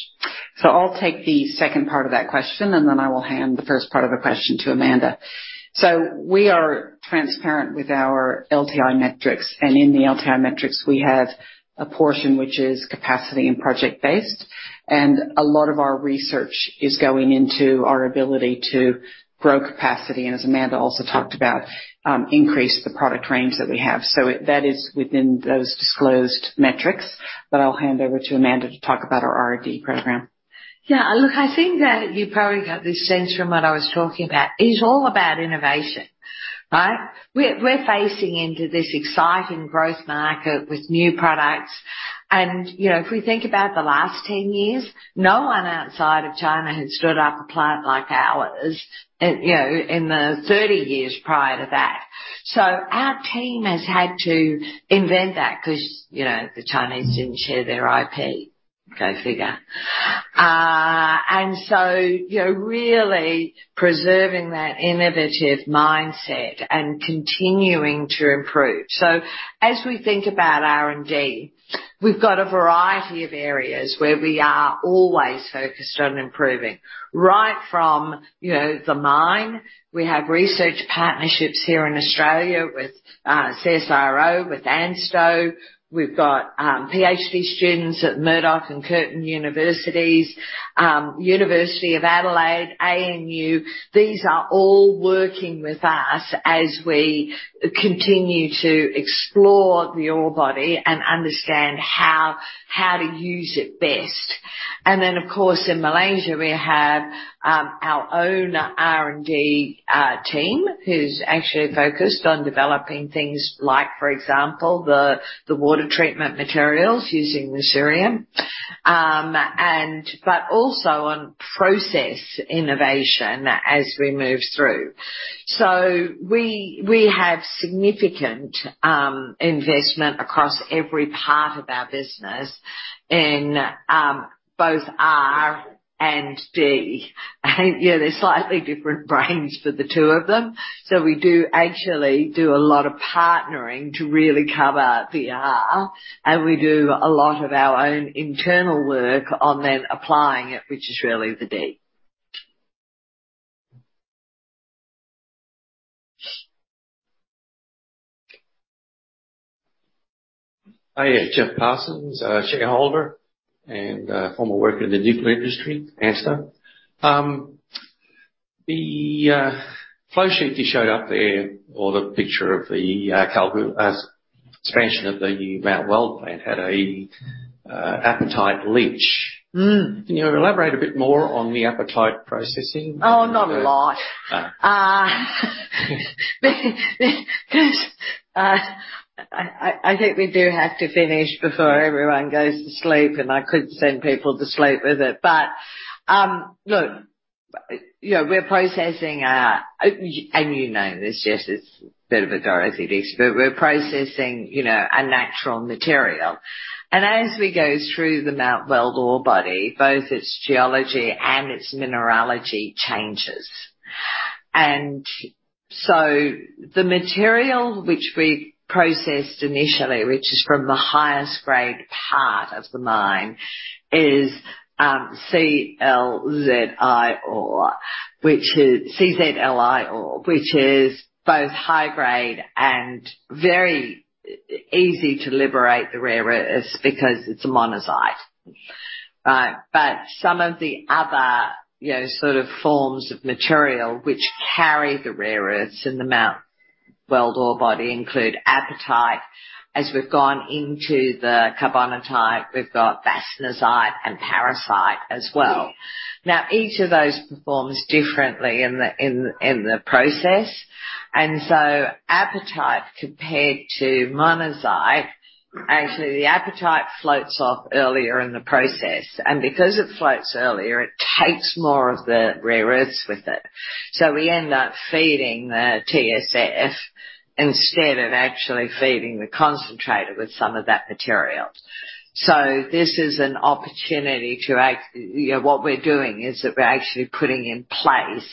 S1: I'll take the second part of that question, and then I will hand the first part of the question to Amanda. We are transparent with our LTI metrics, and in the LTI metrics we have a portion which is capacity and project based. A lot of our research is going into our ability to grow capacity, and as Amanda also talked about, increase the product range that we have. That is within those disclosed metrics. I'll hand over to Amanda to talk about our R&D program.
S2: Yeah. Look, I think that you probably got this sense from what I was talking about. It is all about innovation, right? We're facing into this exciting growth market with new products. You know, if we think about the last 10 years, no one outside of China had stood up a plant like ours, you know, in the 30 years prior to that. Our team has had to invent that because, you know, the Chinese didn't share their IP. Go figure. You know, really preserving that innovative mindset and continuing to improve. As we think about R&D, we've got a variety of areas where we are always focused on improving. Right from, you know, the mine. We have research partnerships here in Australia with CSIRO, with ANSTO. We've got PhD students at Murdoch and Curtin University, University of Adelaide, ANU. These are all working with us as we continue to explore the ore body and understand how to use it best. Of course, in Malaysia, we have our own R&D team who's actually focused on developing things like, for example, the water treatment materials using the cerium. Also on process innovation as we move through. We have significant investment across every part of our business in both R and D. You know, they're slightly different brains for the two of them. We do actually do a lot of partnering to really cover the R, and we do a lot of our own internal work on then applying it, which is really the D.
S7: Hiya, Jeff Parsons, shareholder and former worker in the nuclear industry, ANSTO. The flow sheet you showed up there or the picture of the expansion of the Mount Weld Plant had a apatite leach.
S2: Mm.
S7: Can you elaborate a bit more on the apatite processing?
S2: Oh, not a lot.
S7: Uh.
S2: 'Cause I think we do have to finish before everyone goes to sleep, and I could send people to sleep with it. Look, you know, we're processing, and you know this, yes, it's a bit of a dirty ditch, but we're processing, you know, a natural material. As we go through the Mount Weld ore body, both its geology and its mineralogy changes. The material which we processed initially, which is from the highest grade part of the mine, is CzLi ore, which is both high grade and very easy to liberate the rare earths because it's a monazite. Some of the other, you know, sort of forms of material which carry the rare earths in the Mount Weld ore body include apatite. As we've gone into the carbonatite, we've got bastnäsite and parisite as well. Now, each of those performs differently in the process. Apatite compared to monazite, actually the apatite floats off earlier in the process. Because it floats earlier, it takes more of the rare earths with it. We end up feeding the TSF instead of actually feeding the concentrator with some of that material. You know, what we're doing is that we're actually putting in place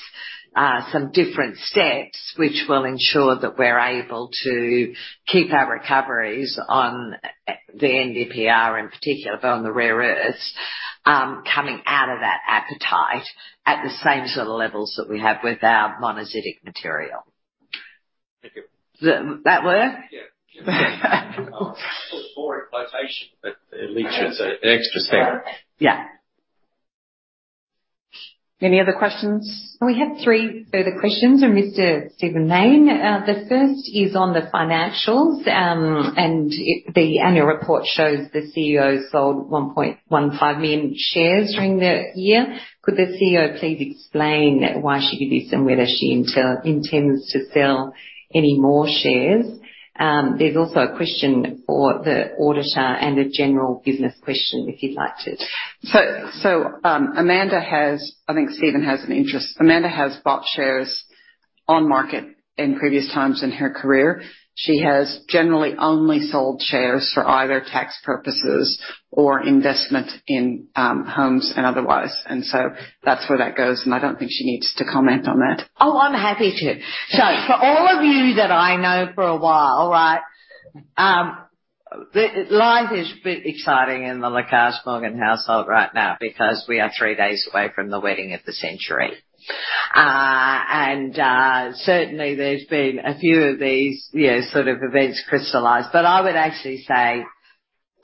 S2: some different steps which will ensure that we're able to keep our recoveries on the NdPr in particular, but on the rare earths coming out of that apatite at the same sort of levels that we have with our monazitic material.
S7: Thank you.
S2: Did that work?
S7: Yeah. For in quotation, but it leaches an extra AUD 0.01.
S2: Yeah.
S1: Any other questions?
S4: We have three further questions from Mr. Steven Nain. The first is on the financials, the annual report shows the CEO sold 1.15 million shares during the year. Could the CEO please explain why she did this and whether she intends to sell any more shares? There's also a question for the auditor and a general business question if you'd like to.
S1: Amanda has I think Steven has an interest. Amanda has bought shares on market in previous times in her career. She has generally only sold shares for either tax purposes or investment in homes and otherwise. That's where that goes, and I don't think she needs to comment on that.
S2: Oh, I'm happy to. For all of you that I know for a while, right, life is a bit exciting in the Lacaze-Morgan household right now because we are three days away from the wedding of the century. Certainly there's been a few of these, you know, sort of events crystallize. I would actually say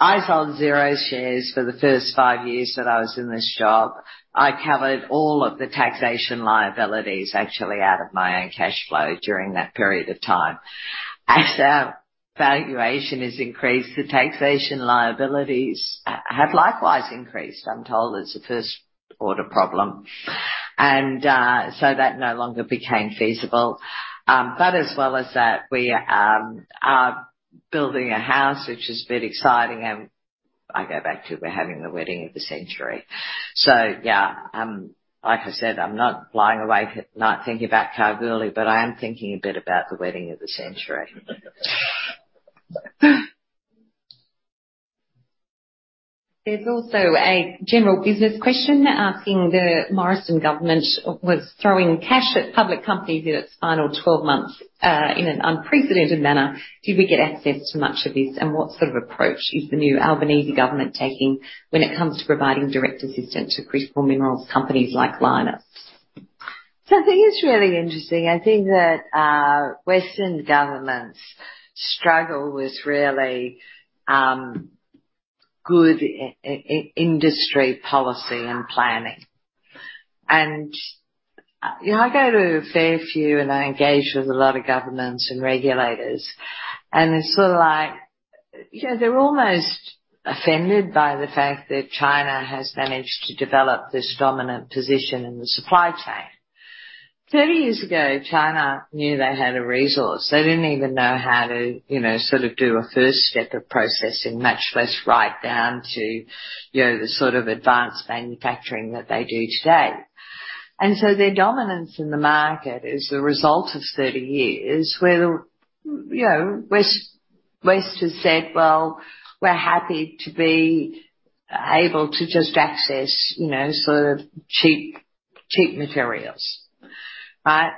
S2: I sold zero shares for the first five years that I was in this job. I covered all of the taxation liabilities actually out of my own cash flow during that period of time. As our valuation has increased, the taxation liabilities have likewise increased. I'm told it's a first order problem. That no longer became feasible. As well as that, we are building a house, which is a bit exciting, and I go back to we're having the wedding of the century. Yeah, like I said, I'm not lying awake at night thinking about Kalgoorlie, but I am thinking a bit about the wedding of the century.
S4: There's also a general business question asking the Morrison government was throwing cash at public companies in its final 12 months in an unprecedented manner. Did we get access to much of this? What sort of approach is the new Albanese government taking when it comes to providing direct assistance to critical minerals companies like Lynas?
S2: I think it's really interesting. I think that Western governments struggle with really good industry policy and planning. You know, I go to a fair few, and I engage with a lot of governments and regulators, and it's sort of like, you know, they're almost offended by the fact that China has managed to develop this dominant position in the supply chain. 30 years ago, China knew they had a resource. They didn't even know how to, you know, sort of do a first step of processing, much less right down to, you know, the sort of advanced manufacturing that they do today. Their dominance in the market is the result of 30 years where, you know, West has said, "Well, we're happy to be able to just access, you know, sort of cheap materials." Right?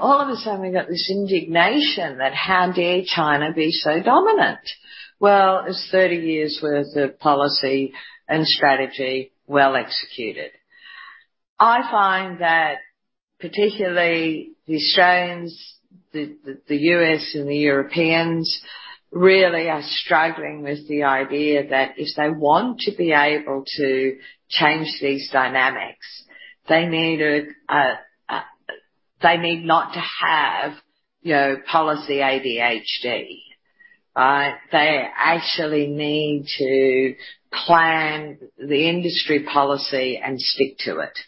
S2: All of a sudden, we got this indignation that, how dare China be so dominant? Well, it's 30 years' worth of policy and strategy well executed. I find that particularly the Australians, the U.S., and the Europeans really are struggling with the idea that if they want to be able to change these dynamics, they need not to have, you know, policy ADHD, right? They actually need to plan the industry policy and stick to it.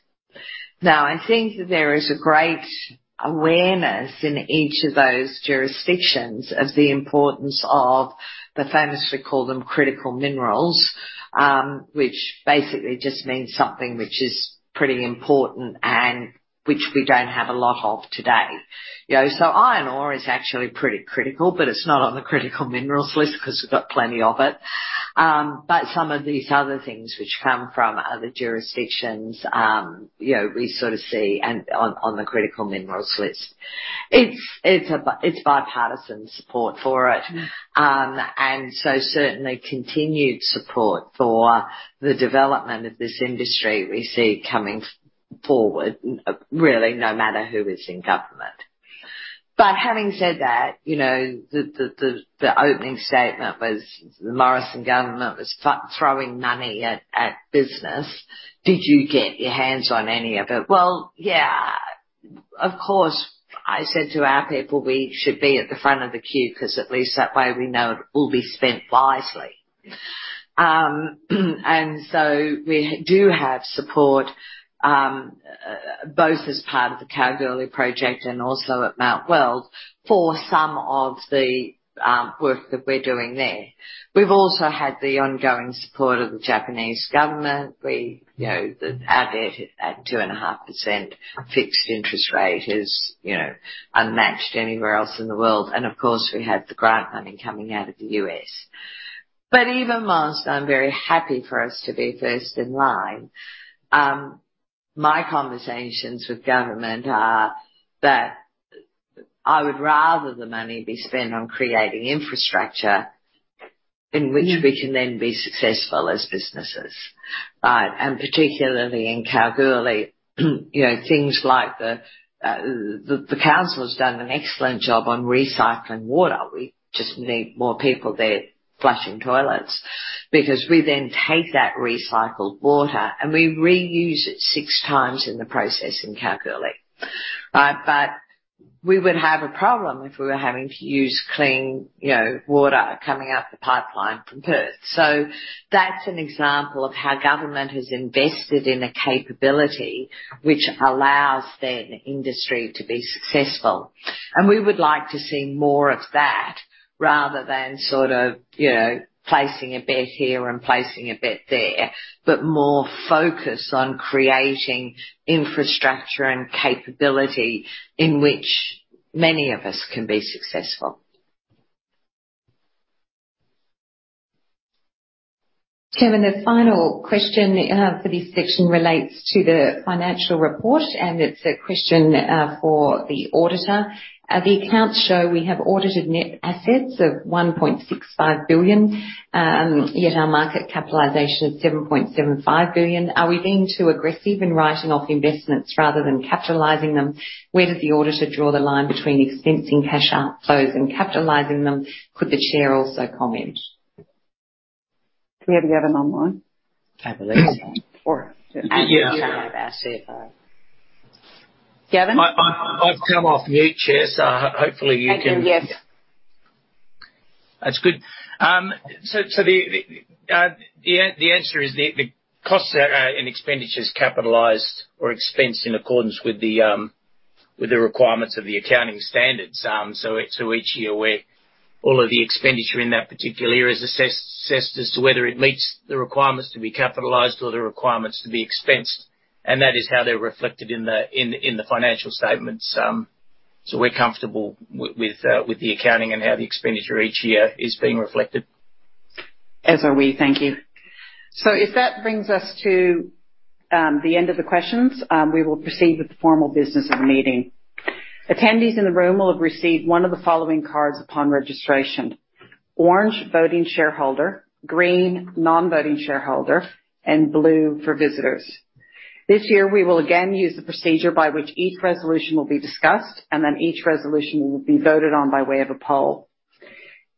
S2: I think that there is a great awareness in each of those jurisdictions of the importance of the famous, we call them critical minerals, which basically just means something which is pretty important and which we don't have a lot of today. You know, iron ore is actually pretty critical, but it's not on the critical minerals list 'cause we've got plenty of it. Some of these other things which come from other jurisdictions, you know, we sort of see and on the critical minerals list. It's bipartisan support for it. Certainly continued support for the development of this industry we see coming forward, really, no matter who is in government. Having said that, you know, the opening statement was the Morrison government was throwing money at business. Did you get your hands on any of it? Well, yeah, of course, I said to our people, we should be at the front of the queue 'cause at least that way we know it will be spent wisely. We do have support, both as part of the Kalgoorlie project and also at Mount Weld for some of the work that we're doing there. We've also had the ongoing support of the Japanese government. We, our debt at 2.5% fixed interest rate is unmatched anywhere else in the world. We have the grant funding coming out of the U.S. Even whilst I'm very happy for us to be first in line, my conversations with government are that I would rather the money be spent on creating infrastructure in which we can then be successful as businesses, right? Particularly in Kalgoorlie, things like the council has done an excellent job on recycling water. We just need more people there flushing toilets because we then take that recycled water, and we reuse it six times in the process in Kalgoorlie, right? We would have a problem if we were having to use clean, you know, water coming out the pipeline from Perth. That's an example of how government has invested in a capability which allows then industry to be successful. We would like to see more of that rather than sort of, you know, placing a bet here and placing a bet there, but more focus on creating infrastructure and capability in which many of us can be successful.
S4: Kevin, the final question for this section relates to the financial report. It's a question for the auditor. The accounts show we have audited net assets of 1.65 billion. Our market capitalization is 7.75 billion. Are we being too aggressive in writing off investments rather than capitalizing them? Where does the auditor draw the line between expensing cash outflows and capitalizing them? Could the Chair also comment?
S2: Do we have Gavin online?
S4: I believe so.
S2: Or-
S8: Yes.
S4: We also have our CFO.
S2: Gavin?
S8: I've come off mute, Chair, so hopefully you can.
S2: Yes.
S8: That's good. The answer is the costs are in expenditures capitalized or expensed in accordance with the requirements of the accounting standards. Each year where all of the expenditure in that particular year is assessed as to whether it meets the requirements to be capitalized or the requirements to be expensed. That is how they're reflected in the financial statements. We're comfortable with the accounting and how the expenditure each year is being reflected.
S1: If that brings us to the end of the questions, we will proceed with the formal business of the meeting. Attendees in the room will have received one of the following cards upon registration: orange, voting shareholder, green, non-voting shareholder, and blue for visitors. This year, we will again use the procedure by which each resolution will be discussed, then each resolution will be voted on by way of a poll.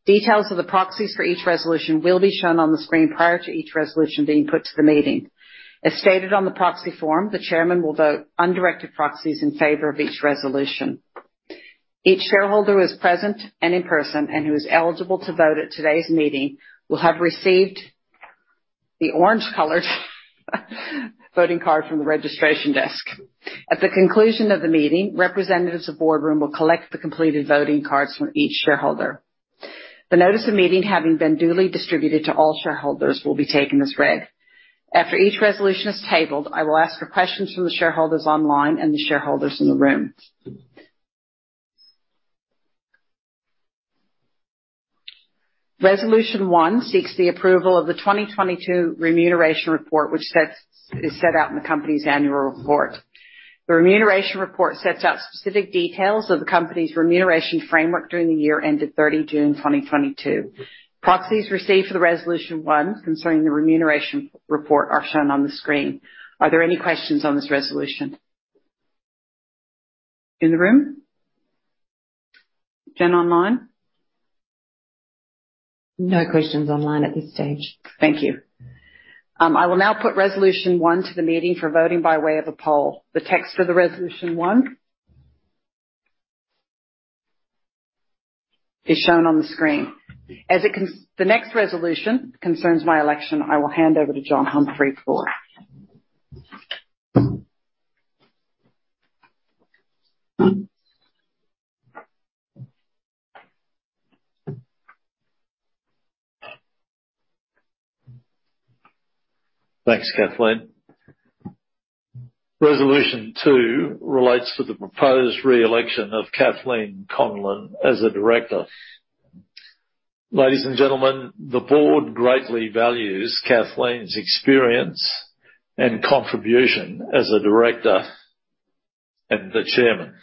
S1: Details of the proxies for each resolution will be shown on the screen prior to each resolution being put to the meeting. As stated on the proxy form, the chairman will vote undirected proxies in favor of each resolution. Each shareholder who is present and in person and who is eligible to vote at today's meeting will have received the orange-colored voting card from the registration desk. At the conclusion of the meeting, representatives of BoardRoom will collect the completed voting cards from each shareholder. The notice of meeting, having been duly distributed to all shareholders, will be taken as read. After each resolution is tabled, I will ask for questions from the shareholders online and the shareholders in the room. Resolution 1 seeks the approval of the 2022 remuneration report, which is set out in the company's annual report. The remuneration report sets out specific details of the company's remuneration framework during the year ended 30 June 2022. Proxies received for the Resolution 1 concerning the remuneration report are shown on the screen. Are there any questions on this resolution? In the room? Jen online?
S4: No questions online at this stage.
S1: Thank you. I will now put resolution one to the meeting for voting by way of a poll. The text for the resolution one is shown on the screen. The next resolution concerns my election. I will hand over to John Humphrey, floor.
S9: Thanks, Kathleen. Resolution 2 relates to the proposed re-election of Kathleen Conlon as a director. Ladies and gentlemen, the board greatly values Kathleen's experience and contribution as a director and the Chairman.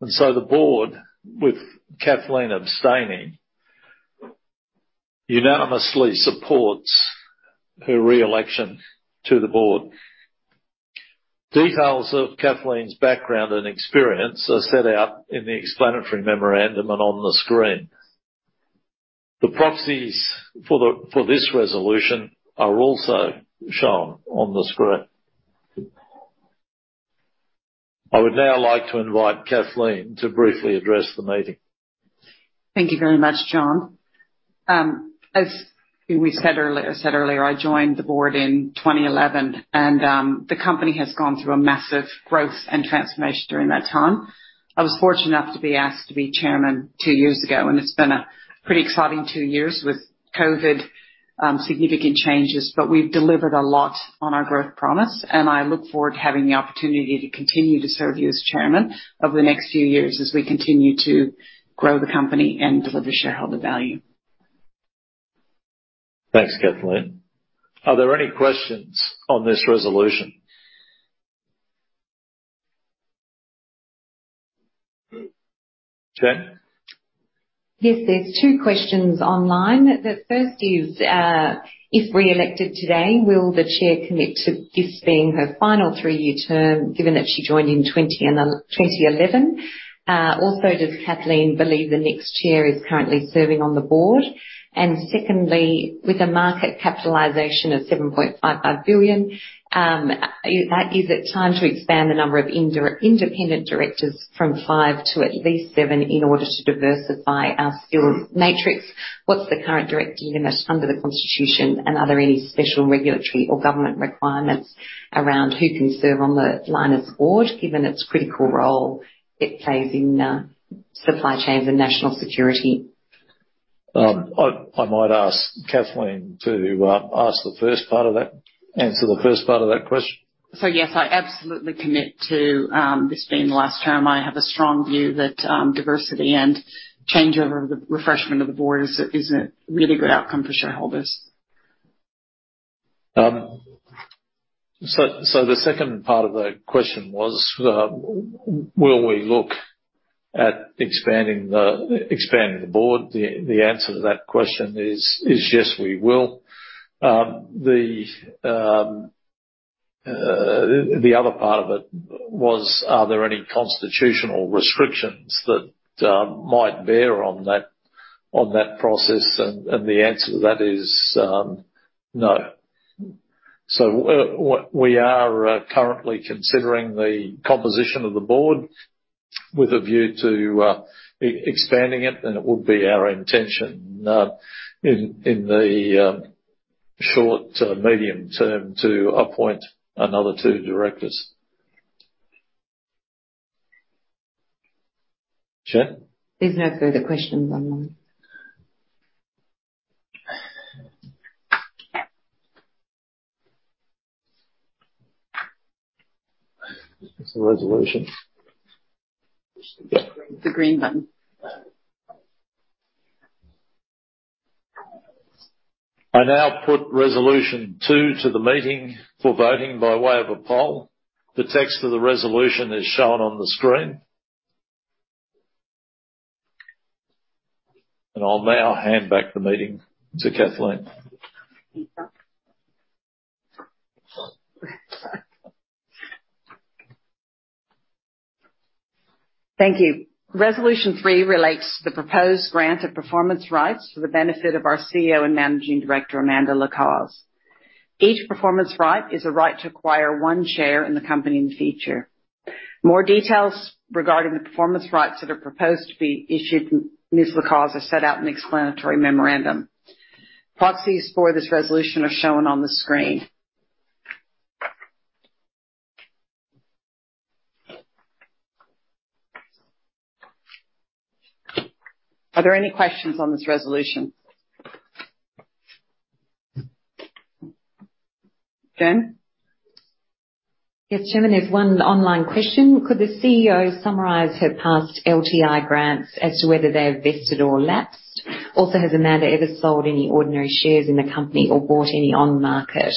S9: The board, with Kathleen abstaining, unanimously supports her re-election to the board. Details of Kathleen's background and experience are set out in the explanatory memorandum and on the screen. The proxies for this resolution are also shown on the screen. I would now like to invite Kathleen to briefly address the meeting.
S1: Thank you very much, John. I said earlier, I joined the board in 2011, and the company has gone through a massive growth and transformation during that time. I was fortunate enough to be asked to be chairman two years ago, and it's been a pretty exciting two years with COVID, significant changes. We've delivered a lot on our growth promise, and I look forward to having the opportunity to continue to serve you as chairman over the next few years as we continue to grow the company and deliver shareholder value.
S9: Thanks, Kathleen. Are there any questions on this resolution? Jen?
S4: Yes, there's two questions online. The first is, if re-elected today, will the chair commit to this being her final 3-year term, given that she joined in 2011? Also, does Kathleen believe the next chair is currently serving on the board? Secondly, with a market capitalization of 7.55 billion, is it time to expand the number of independent directors from five to at least seven in order to diversify our skill matrix? What's the current director limit under the constitution, and are there any special regulatory or government requirements around who can serve on the Lynas board, given its critical role it plays in supply chains and national security?
S9: I might ask Kathleen to answer the first part of that question.
S1: Yes, I absolutely commit to this being the last term. I have a strong view that diversity and changeover of the refreshment of the board is a really good outcome for shareholders.
S9: The second part of the question was, will we look at expanding the board? The answer to that question is yes, we will. The other part of it was, are there any constitutional restrictions that might bear on that process? The answer to that is no. What we are currently considering the composition of the board with a view to expanding it, and it will be our intention in the short to medium term, to appoint another two directors. Jen?
S4: There's no further questions online.
S9: It's the resolution.
S1: The green button.
S9: I now put resolution two to the meeting for voting by way of a poll. The text of the resolution is shown on the screen. I'll now hand back the meeting to Kathleen.
S1: Thank you. Resolution 3 relates to the proposed grant of performance rights for the benefit of our CEO and Managing Director, Amanda Lacaze. Each performance right is a right to acquire one share in the company in the future. More details regarding the performance rights that are proposed to be issued to Ms. Lacaze are set out in the explanatory memorandum. Proxies for this resolution are shown on the screen. Are there any questions on this resolution? Jen?
S4: Yes, Chairman. There's one online question. Could the CEO summarize her past LTI grants as to whether they're vested or lapsed? Has Amanda ever sold any ordinary shares in the company or bought any on the market,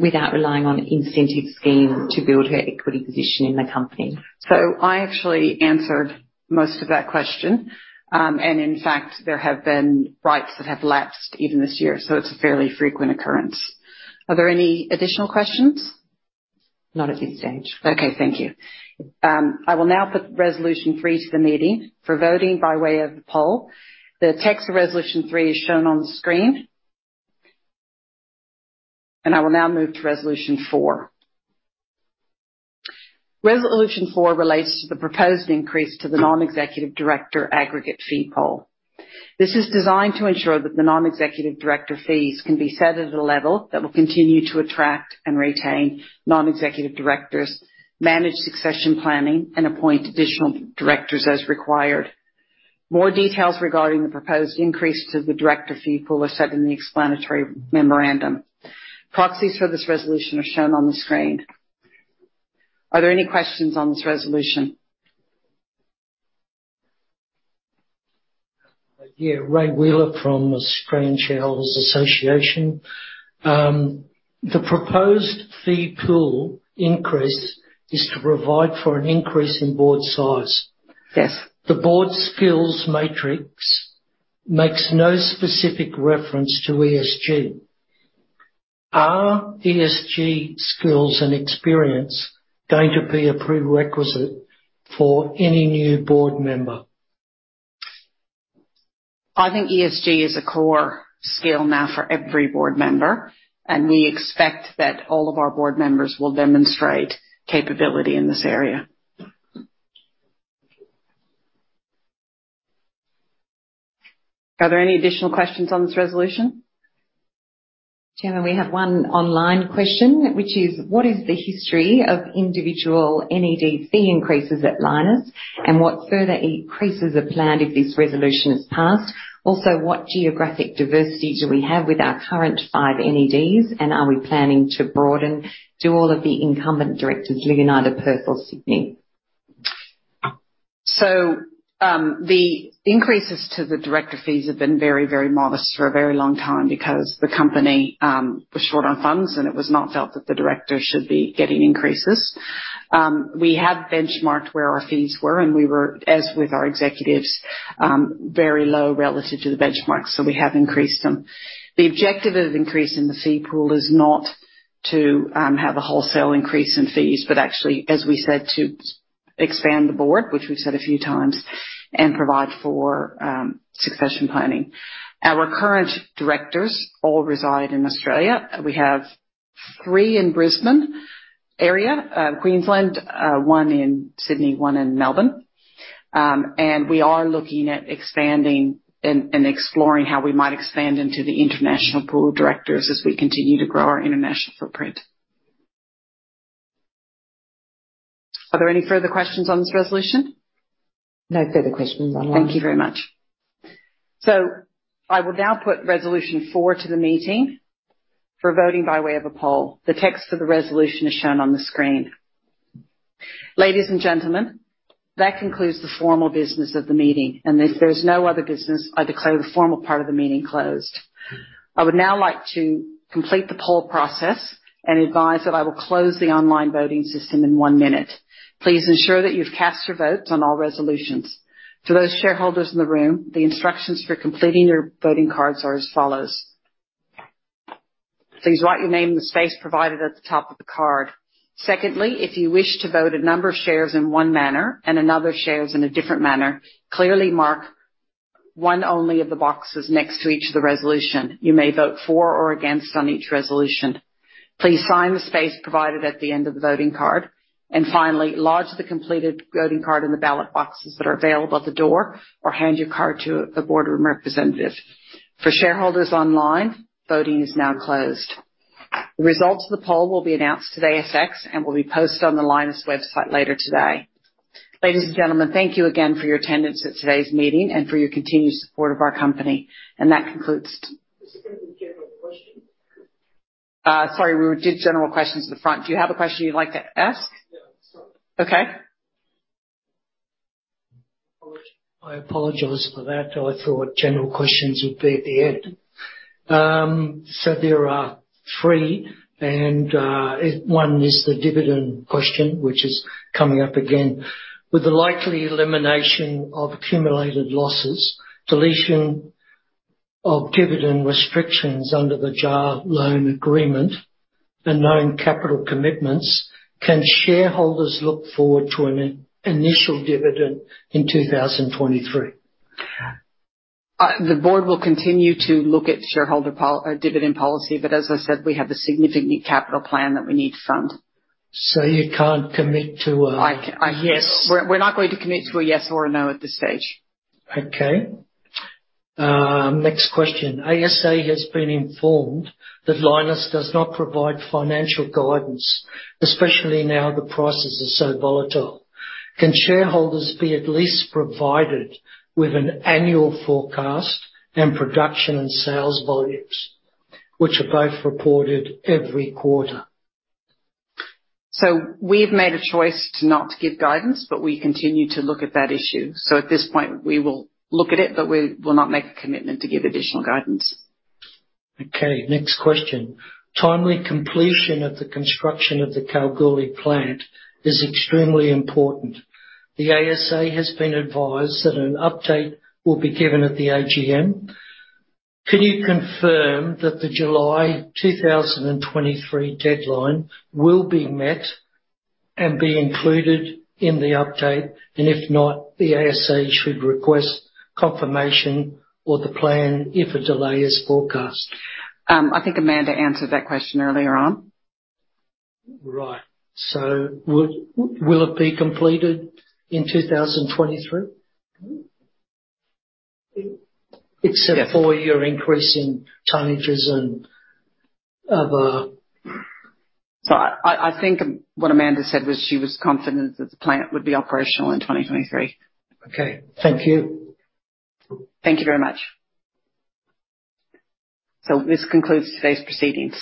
S4: without relying on incentive scheme to build her equity position in the company?
S1: I actually answered most of that question. In fact, there have been rights that have lapsed even this year, so it's a fairly frequent occurrence. Are there any additional questions?
S4: Not at this stage.
S1: Okay. Thank you. I will now put Resolution 3 to the meeting for voting by way of the poll. The text of Resolution 3 is shown on the screen. I will now move to Resolution 4. Resolution 4 relates to the proposed increase to the non-executive director aggregate fee pool. This is designed to ensure that the non-executive director fees can be set at a level that will continue to attract and retain non-executive directors, manage succession planning, and appoint additional directors as required. More details regarding the proposed increase to the director fee pool are set in the explanatory memorandum. Proxies for this resolution are shown on the screen. Are there any questions on this resolution?
S3: Yeah. Ray Wheeler from the Australian Shareholders' Association. The proposed fee pool increase is to provide for an increase in board size.
S1: Yes.
S3: The board skills matrix makes no specific reference to ESG. Are ESG skills and experience going to be a prerequisite for any new board member?
S1: I think ESG is a core skill now for every board member, and we expect that all of our board members will demonstrate capability in this area. Are there any additional questions on this resolution?
S4: Chairman, we have one online question, which is: What is the history of individual NED fee increases at Lynas, and what further increases are planned if this resolution is passed? Also, what geographic diversity do we have with our current five NEDs, and are we planning to broaden to all of the incumbent directors living either Perth or Sydney?
S1: The increases to the director fees have been very, very modest for a very long time because the company was short on funds, and it was not felt that the directors should be getting increases. We have benchmarked where our fees were, and we were, as with our executives, very low relative to the benchmarks, so we have increased them. The objective of increasing the fee pool is not to have a wholesale increase in fees, but actually, as we said, to expand the board, which we've said a few times, and provide for succession planning. Our current directors all reside in Australia. We have three in Brisbane area, Queensland, one in Sydney, one in Melbourne. We are looking at expanding and exploring how we might expand into the international pool of directors as we continue to grow our international footprint. Are there any further questions on this resolution?
S4: No further questions online.
S1: Thank you very much. I will now put Resolution 4 to the meeting for voting by way of a poll. The text for the resolution is shown on the screen. Ladies and gentlemen, that concludes the formal business of the meeting. If there's no other business, I declare the formal part of the meeting closed. I would now like to complete the poll process and advise that I will close the online voting system in one minute. Please ensure that you've cast your votes on all resolutions. For those shareholders in the room, the instructions for completing your voting cards are as follows. Please write your name in the space provided at the top of the card. Secondly, if you wish to vote a number of shares in one manner and another shares in a different manner, clearly mark one only of the boxes next to each of the resolution. You may vote for or against on each resolution. Please sign the space provided at the end of the voting card. Finally, lodge the completed voting card in the ballot boxes that are available at the door or hand your card to a BoardRoom representative. For shareholders online, voting is now closed. The results of the poll will be announced today, FX, and will be posted on the Lynas website later today. Ladies and gentlemen, thank you again for your attendance at today's meeting and for your continued support of our company. That concludes-
S3: Is there going to be general questions?
S1: Sorry, we did general questions at the front. Do you have a question you'd like to ask?
S3: Yeah, sorry.
S1: Okay.
S3: I apologize for that. I thought general questions would be at the end. There are three, and one is the dividend question, which is coming up again. With the likely elimination of accumulated losses, deletion of dividend restrictions under the JARE loan agreement, and known capital commitments, can shareholders look forward to an in-initial dividend in 2023?
S1: The board will continue to look at shareholder or dividend policy. As I said, we have a significant capital plan that we need to fund.
S3: You can't commit to a yes-?
S1: We're not going to commit to a yes or a no at this stage.
S3: Next question: ASA has been informed that Lynas does not provide financial guidance, especially now the prices are so volatile. Can shareholders be at least provided with an annual forecast in production and sales volumes, which are both reported every quarter?
S1: We've made a choice to not give guidance, but we continue to look at that issue. At this point, we will look at it, but we will not make a commitment to give additional guidance.
S3: Okay, next question. Timely completion of the construction of the Kalgoorlie plant is extremely important. The ASA has been advised that an update will be given at the AGM. Can you confirm that the July 2023 deadline will be met and be included in the update? If not, the ASA should request confirmation or the plan if a delay is forecast.
S1: I think Amanda answered that question earlier on.
S3: Right. will it be completed in 2023?
S1: Mm-hmm.
S3: It's a four-year increase in tonnages and other...
S1: I think what Amanda said was she was confident that the plant would be operational in 2023.
S3: Okay. Thank you.
S1: Thank you very much. This concludes today's proceedings.